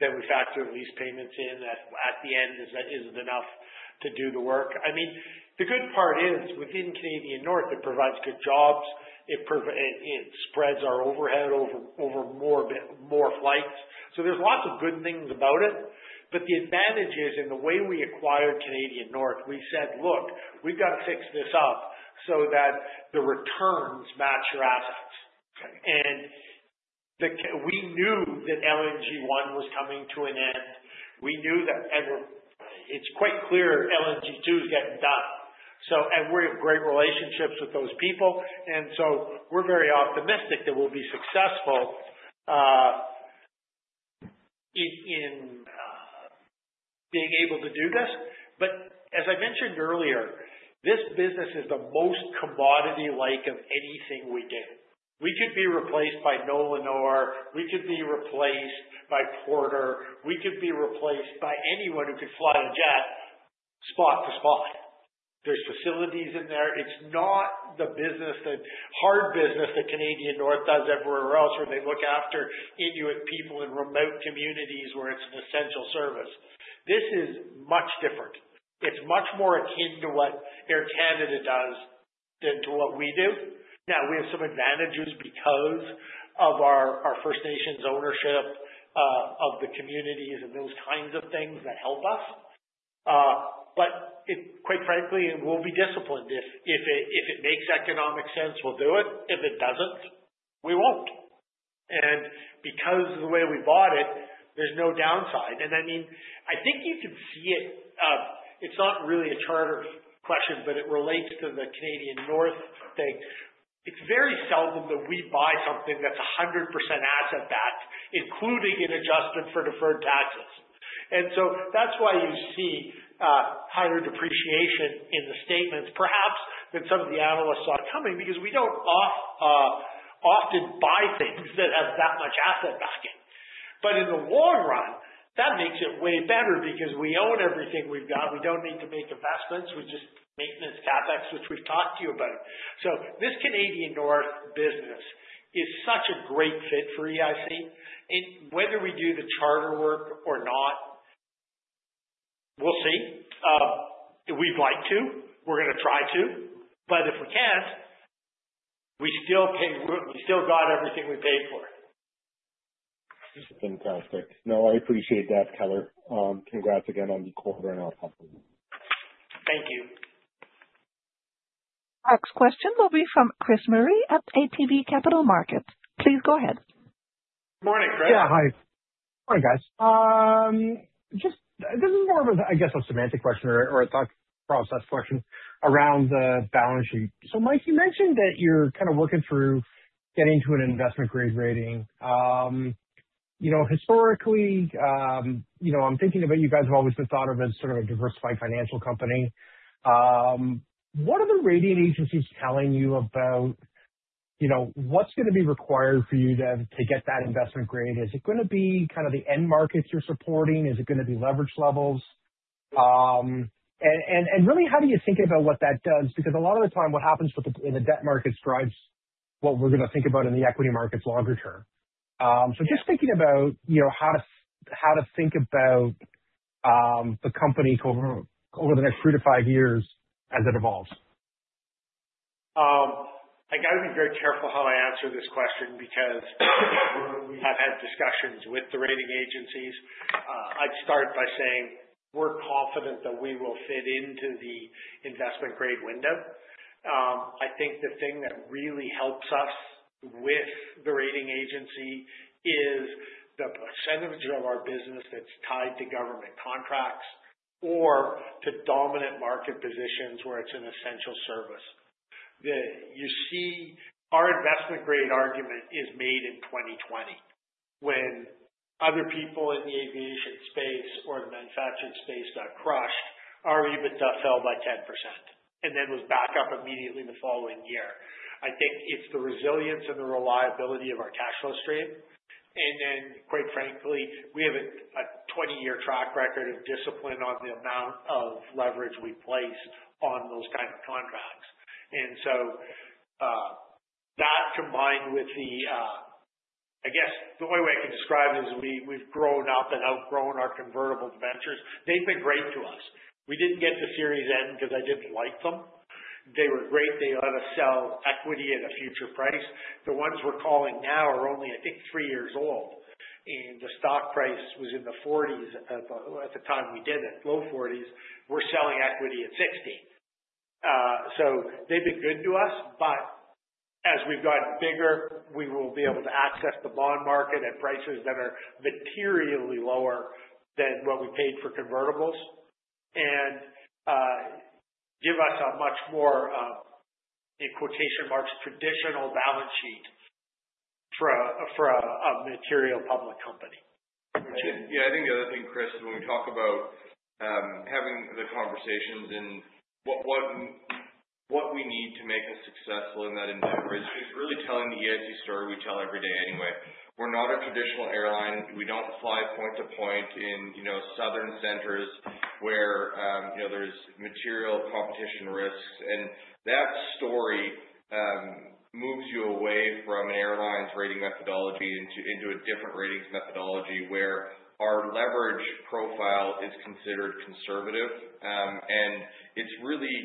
that we factor lease payments in at the end isn't enough to do the work. I mean, the good part is within Canadian North, it provides good jobs. It spreads our overhead over more flights. So there's lots of good things about it. But the advantage is in the way we acquired Canadian North, we said, "Look, we've got to fix this up so that the returns match your assets." And we knew that LNG 1 was coming to an end. We knew that it's quite clear LNG 2 is getting done. And we have great relationships with those people. And so we're very optimistic that we'll be successful in being able to do this. But as I mentioned earlier, this business is the most commodity-like of anything we do. We could be replaced by Nolinor. We could be replaced by Porter. We could be replaced by anyone who could fly a jet spot to spot. There's facilities in there. It's not the hard business that Canadian North does everywhere else where they look after Inuit people in remote communities where it's an essential service. This is much different. It's much more akin to what Air Canada does than to what we do. Now, we have some advantages because of our First Nations ownership of the communities and those kinds of things that help us. But quite frankly, we'll be disciplined. If it makes economic sense, we'll do it. If it doesn't, we won't. And because of the way we bought it, there's no downside. And I mean, I think you can see it. It's not really a charter question, but it relates to the Canadian North thing. It's very seldom that we buy something that's 100% asset-backed, including an adjustment for deferred taxes. And so that's why you see higher depreciation in the statements, perhaps than some of the analysts saw it coming because we don't often buy things that have that much asset backing. But in the long run, that makes it way better because we own everything we've got. We don't need to make investments. We just maintenance CapEx, which we've talked to you about. So this Canadian North business is such a great fit for EIC. And whether we do the charter work or not, we'll see. We'd like to. We're going to try to. But if we can't, we still got everything we paid for. Fantastic. No, I appreciate that, caller. Congrats again on the quarter and our company. Thank you. Next question will be from Chris Murray at ATB Capital Markets. Please go ahead. Good morning, Chris. Yeah. Hi. Morning, guys. This is more of, I guess, a semantic question or a thought process question around the balance sheet. So Mike, you mentioned that you're kind of working through getting to an investment-grade rating. Historically, you guys have always been thought of as sort of a diversified industrial company. What are the rating agencies telling you about what's going to be required for you to get that investment grade? Is it going to be kind of the end markets you're supporting? Is it going to be leverage levels? And really, how do you think about what that does? Because a lot of the time, what happens in the debt markets drives what we're going to think about in the equity markets longer term. So just thinking about how to think about the company over the next three to five years as it evolves. I got to be very careful how I answer this question because we have had discussions with the rating agencies. I'd start by saying we're confident that we will fit into the investment-grade window. I think the thing that really helps us with the rating agency is the percentage of our business that's tied to government contracts or to dominant market positions where it's an essential service. Our investment-grade argument is made in 2020 when other people in the aviation space or the manufacturing space got crushed, our EBITDA fell by 10% and then was back up immediately the following year. I think it's the resilience and the reliability of our cash flow stream. And then, quite frankly, we have a 20-year track record of discipline on the amount of leverage we place on those kinds of contracts. And so that combined with the, I guess, the way I can describe it is we've grown up and outgrown our convertible debentures. They've been great to us. We didn't get to Series N because I didn't like them. They were great. They let us sell equity at a future price. The ones we're calling now are only, I think, three years old. And the stock price was in the 40s at the time we did it, low 40s. We're selling equity at 60. So they've been good to us. But as we've gotten bigger, we will be able to access the bond market at prices that are materially lower than what we paid for convertibles and give us a much more, in quotation marks, "traditional" balance sheet for a mature public company. Yeah. I think the other thing, Chris, when we talk about having the conversations and what we need to make us successful in that endeavor is really telling the EIC story we tell every day anyway. We're not a traditional airline. We don't fly point-to-point in southern centers where there's material competition risks. That story moves you away from an airline's rating methodology into a different ratings methodology where our leverage profile is considered conservative. It's really,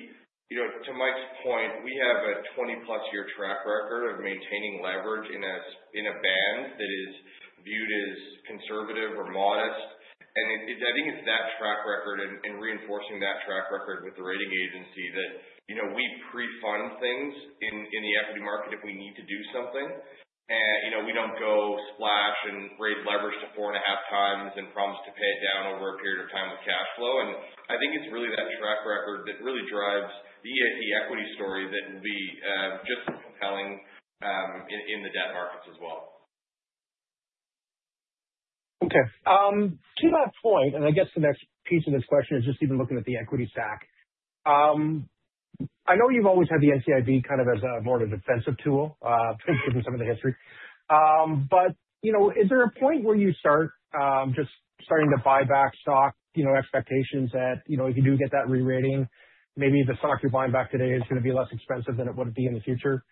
to Mike's point, we have a 20-plus year track record of maintaining leverage in a band that is viewed as conservative or modest. I think it's that track record and reinforcing that track record with the rating agency that we prefund things in the equity market if we need to do something. We don't go splash and raise leverage to four and a half times and promise to pay it down over a period of time with cash flow. I think it's really that track record that really drives the equity story that will be just as compelling in the debt markets as well. Okay. To that point, and I guess the next piece of this question is just even looking at the equity stack. I know you've always had the NCIB kind of as more of a defensive tool, given some of the history. But is there a point where you start to buy back stock, expectations that if you do get that re-rating, maybe the stock you're buying back today is going to be less expensive than it would be in the future?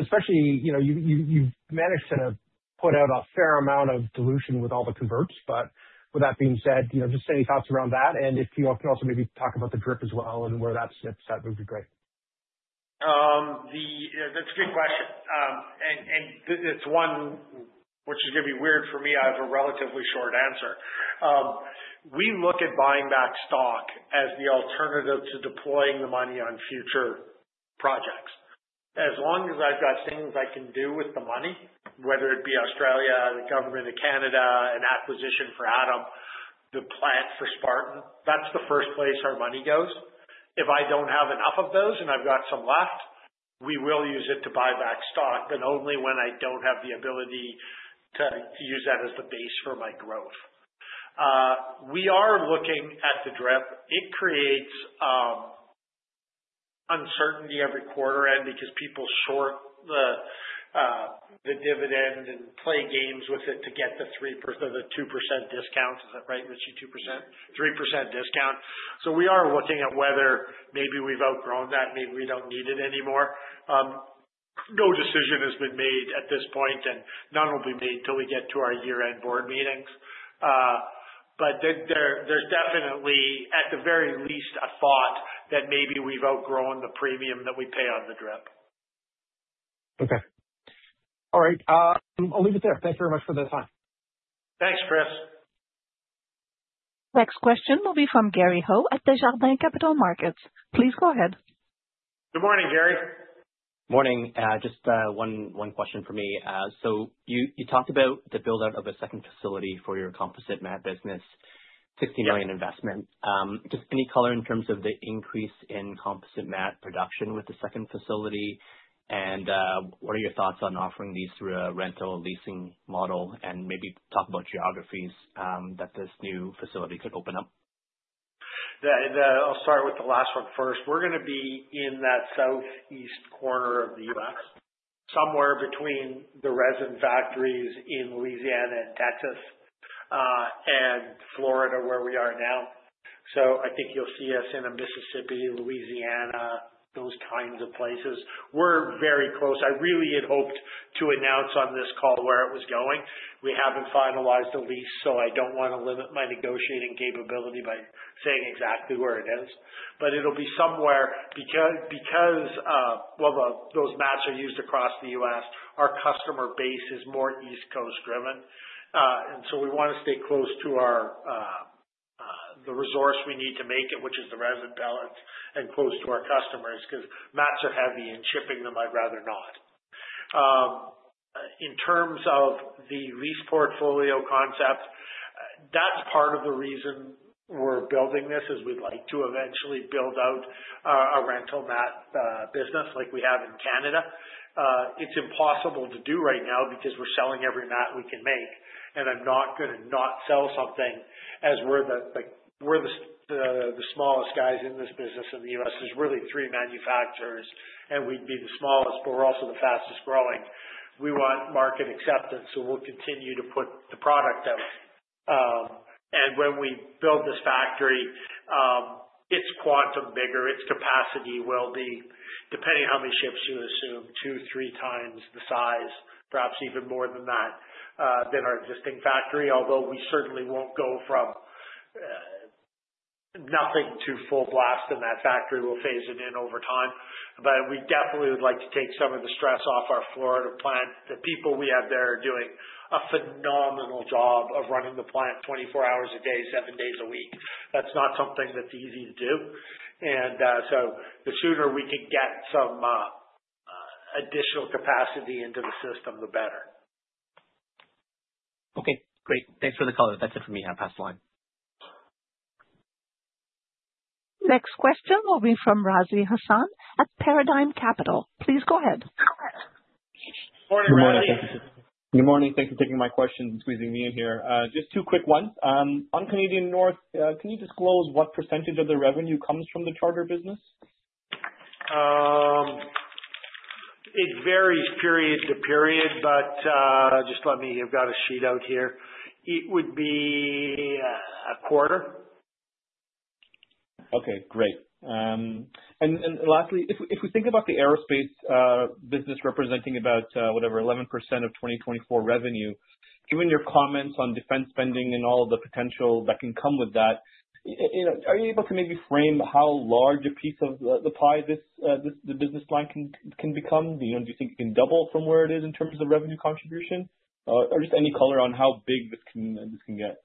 Especially you've managed to put out a fair amount of dilution with all the converts. But with that being said, just any thoughts around that? And if you can also maybe talk about the DRIP as well and where that stands, that would be great. That's a good question. And it's one which is going to be weird for me. I have a relatively short answer. We look at buying back stock as the alternative to deploying the money on future projects. As long as I've got things I can do with the money, whether it be Australia, the government of Canada, an acquisition for Adam, the plant for Spartan, that's the first place our money goes. If I don't have enough of those and I've got some left, we will use it to buy back stock, but only when I don't have the ability to use that as the base for my growth. We are looking at the DRIP. It creates uncertainty every quarter end because people short the dividend and play games with it to get the 3% or the 2% discount. Is that right, Rich? 2%? 3% discount. So we are looking at whether maybe we've outgrown that. Maybe we don't need it anymore. No decision has been made at this point, and none will be made till we get to our year-end board meetings. But there's definitely, at the very least, a thought that maybe we've outgrown the premium that we pay on the DRIP. Okay. All right. I'll leave it there. Thanks very much for the time. Thanks, Chris. Next question will be from Gary Ho at Desjardins Capital Markets. Please go ahead. Good morning, Gary. Morning. Just one question for me. So you talked about the build-out of a second facility for your composite mat business, 60 million investment. Just any color in terms of the increase in composite mat production with the second facility? And what are your thoughts on offering these through a rental leasing model and maybe talk about geographies that this new facility could open up? I'll start with the last one first. We're going to be in that Southeast corner of the U.S., somewhere between the resin factories in Louisiana and Texas and Florida, where we are now. So I think you'll see us in Mississippi, Louisiana, those kinds of places. We're very close. I really had hoped to announce on this call where it was going. We haven't finalized a lease, so I don't want to limit my negotiating capability by saying exactly where it is. But it'll be somewhere because those mats are used across the U.S., our customer base is more East Coast-driven. And so we want to stay close to the resource we need to make it, which is the resin pellets, and close to our customers because mats are heavy, and shipping them, I'd rather not. In terms of the lease portfolio concept, that's part of the reason we're building this, is we'd like to eventually build out a rental mat business like we have in Canada. It's impossible to do right now because we're selling every mat we can make. And I'm not going to not sell something as we're the smallest guys in this business in the U.S. There's really three manufacturers, and we'd be the smallest, but we're also the fastest growing. We want market acceptance, so we'll continue to put the product out. And when we build this factory, it's quantum bigger. Its capacity will be, depending on how many ships you assume, two, three times the size, perhaps even more than that than our existing factory. Although we certainly won't go from nothing to full blast in that factory. We'll phase it in over time. But we definitely would like to take some of the stress off our Florida plant. The people we have there are doing a phenomenal job of running the plant 24 hours a day, seven days a week. That's not something that's easy to do. And so the sooner we can get some additional capacity into the system, the better. Okay. Great. Thanks for the color. That's it for me. I'll pass the line. Next question will be from Razvi Ahmed at Paradigm Capital. Please go ahead. Good morning. Good morning. Thanks for taking my question and squeezing me in here. Just two quick ones. On Canadian North, can you disclose what percentage of the revenue comes from the charter business? It varies period to period, but just let me. I've got a sheet out here. It would be a quarter. Okay. Great. And lastly, if we think about the aerospace business representing about, whatever, 11% of 2024 revenue, given your comments on defense spending and all of the potential that can come with that, are you able to maybe frame how large a piece of the pie the business line can become? Do you think it can double from where it is in terms of revenue contribution? Or just any color on how big this can get?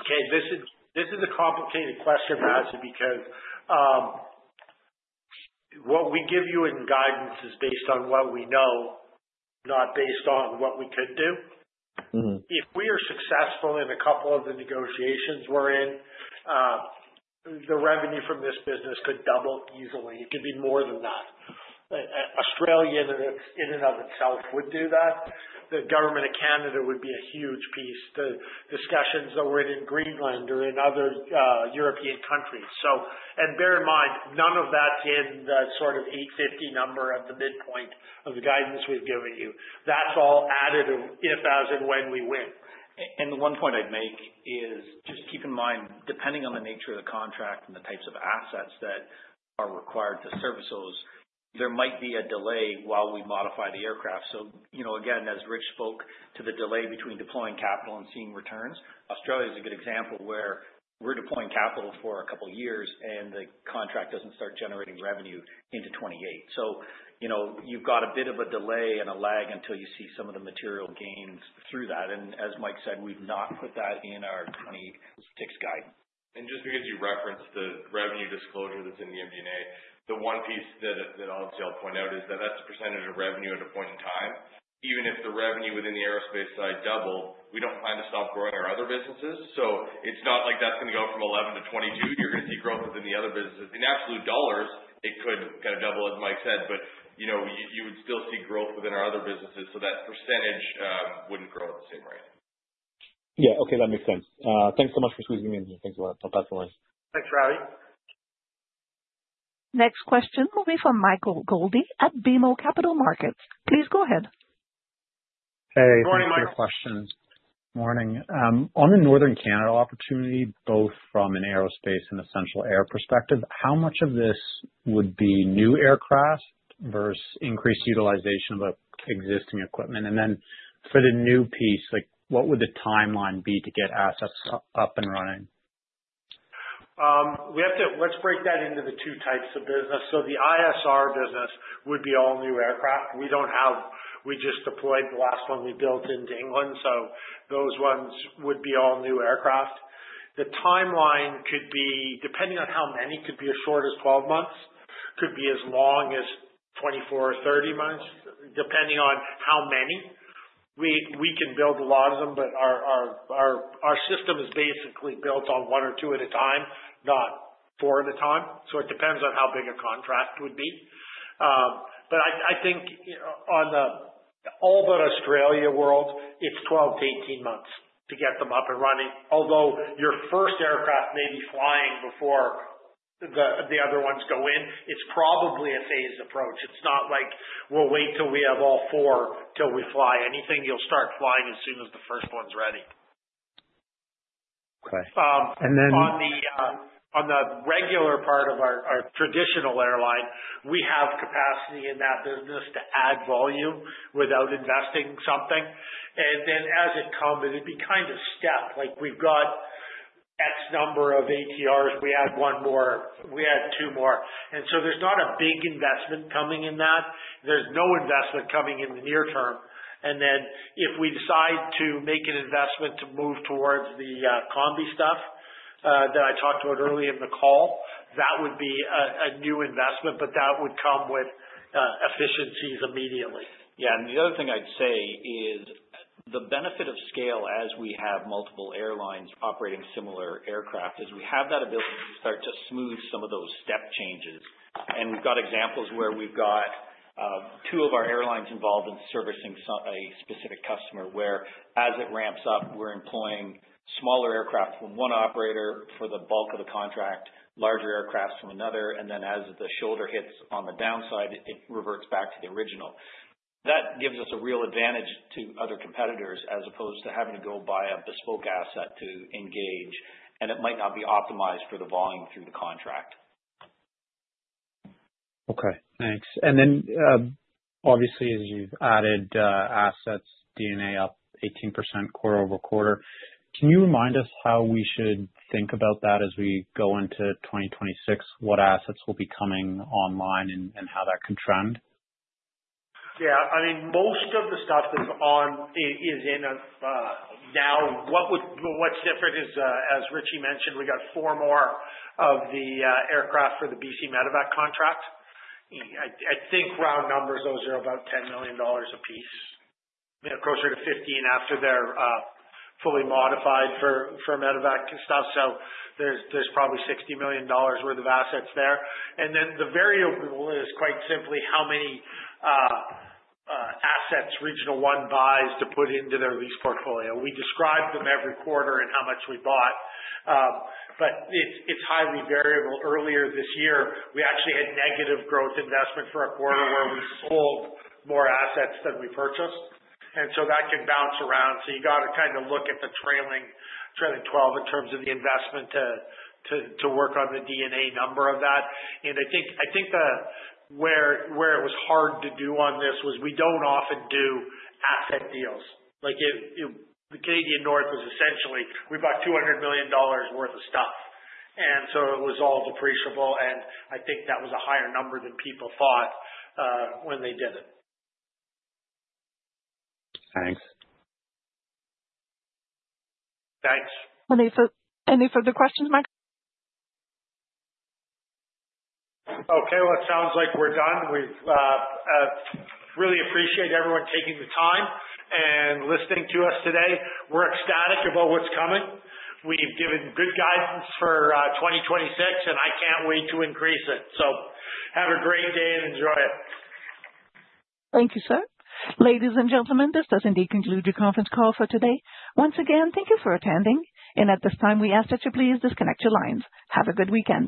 Okay. This is a complicated question to answer because what we give you in guidance is based on what we know, not based on what we could do. If we are successful in a couple of the negotiations we're in, the revenue from this business could double easily. It could be more than that. Australia in and of itself would do that. The Government of Canada would be a huge piece. The discussions that we're in, in Greenland or in other European countries, and bear in mind, none of that's in the sort of 850 number at the midpoint of the guidance we've given you. That's all additive if, as, and when we win. The one point I'd make is just keep in mind, depending on the nature of the contract and the types of assets that are required to service those, there might be a delay while we modify the aircraft. Again, as Rich spoke to the delay between deploying capital and seeing returns, Australia is a good example where we're deploying capital for a couple of years, and the contract doesn't start generating revenue into 2028. You've got a bit of a delay and a lag until you see some of the material gains through that. As Mike said, we've not put that in our 2026 guide. Just because you referenced the revenue disclosure that's in the MD&A, the one piece that I'll point out is that that's the percentage of revenue at a point in time. Even if the revenue within the aerospace side doubled, we don't plan to stop growing our other businesses. So it's not like that's going to go from 11%-22%. You're going to see growth within the other businesses. In absolute dollars, it could kind of double, as Mike said, but you would still see growth within our other businesses. So that percentage wouldn't grow at the same rate. Yeah. Okay. That makes sense. Thanks so much for squeezing me in here. Thanks a lot. I'll pass the line. Thanks, Razvi. Next question will be from Michael Goldie at BMO Capital Markets. Please go ahead. Hey. Good morning, Mike. Question. Good morning. On the Northern Canada opportunity, both from an aerospace and essential air perspective, how much of this would be new aircraft versus increased utilization of existing equipment? And then for the new piece, what would the timeline be to get assets up and running? Let's break that into the two types of business. So the ISR business would be all new aircraft. We just deployed the last one we built into England. So those ones would be all new aircraft. The timeline could be, depending on how many, could be as short as 12 months, could be as long as 24 or 30 months, depending on how many. We can build a lot of them, but our system is basically built on one or two at a time, not four at a time. So it depends on how big a contract would be. But I think on the all-but-Australia world, it's 12-18 months to get them up and running. Although your first aircraft may be flying before the other ones go in, it's probably a phased approach. It's not like we'll wait till we have all four till we fly anything; you'll start flying as soon as the first one's ready. Okay. And then on the regular part of our traditional airline, we have capacity in that business to add volume without investing something. And then as it comes, it'd be kind of stepped. We've got X number of ATRs. We had one more. We had two more. And so there's not a big investment coming in that. There's no investment coming in the near term. And then if we decide to make an investment to move towards the combi stuff that I talked about early in the call, that would be a new investment, but that would come with efficiencies immediately. Yeah. And the other thing I'd say is the benefit of scale as we have multiple airlines operating similar aircraft is we have that ability to start to smooth some of those step changes. And we've got examples where we've got two of our airlines involved in servicing a specific customer where, as it ramps up, we're employing smaller aircraft from one operator for the bulk of the contract, larger aircraft from another. And then as the shoulder hits on the downside, it reverts back to the original. That gives us a real advantage to other competitors as opposed to having to go buy a bespoke asset to engage. It might not be optimized for the volume through the contract. Okay. Thanks. Then obviously, as you've added assets, D&A up 18% quarter over quarter, can you remind us how we should think about that as we go into 2026, what assets will be coming online and how that can trend? Yeah. I mean, most of the stuff that's on is in now. What's different is, as Rich mentioned, we got four more of the aircraft for the BC Medevac contract. I think round numbers, those are about 10 million dollars apiece, closer to 15 after they're fully modified for Medevac stuff. So there's probably 60 million dollars worth of assets there. Then the variable is quite simply how many assets Regional One buys to put into their lease portfolio. We describe them every quarter and how much we bought. But it's highly variable. Earlier this year, we actually had negative growth investment for a quarter where we sold more assets than we purchased. And so that can bounce around. So you got to kind of look at the trailing 12 in terms of the investment to work on the EBITDA number of that. And I think where it was hard to do on this was we don't often do asset deals. The Canadian North was essentially we bought 200 million dollars worth of stuff. And so it was all depreciable. And I think that was a higher number than people thought when they did it. Thanks. Thanks. Any further questions, Mike? Okay. Well, it sounds like we're done. We really appreciate everyone taking the time and listening to us today. We're ecstatic about what's coming. We've given good guidance for 2026, and I can't wait to increase it. So have a great day and enjoy it. Thank you, sir. Ladies and gentlemen, this does indeed conclude the conference call for today. Once again, thank you for attending. And at this time, we ask that you please disconnect your lines. Have a good weekend.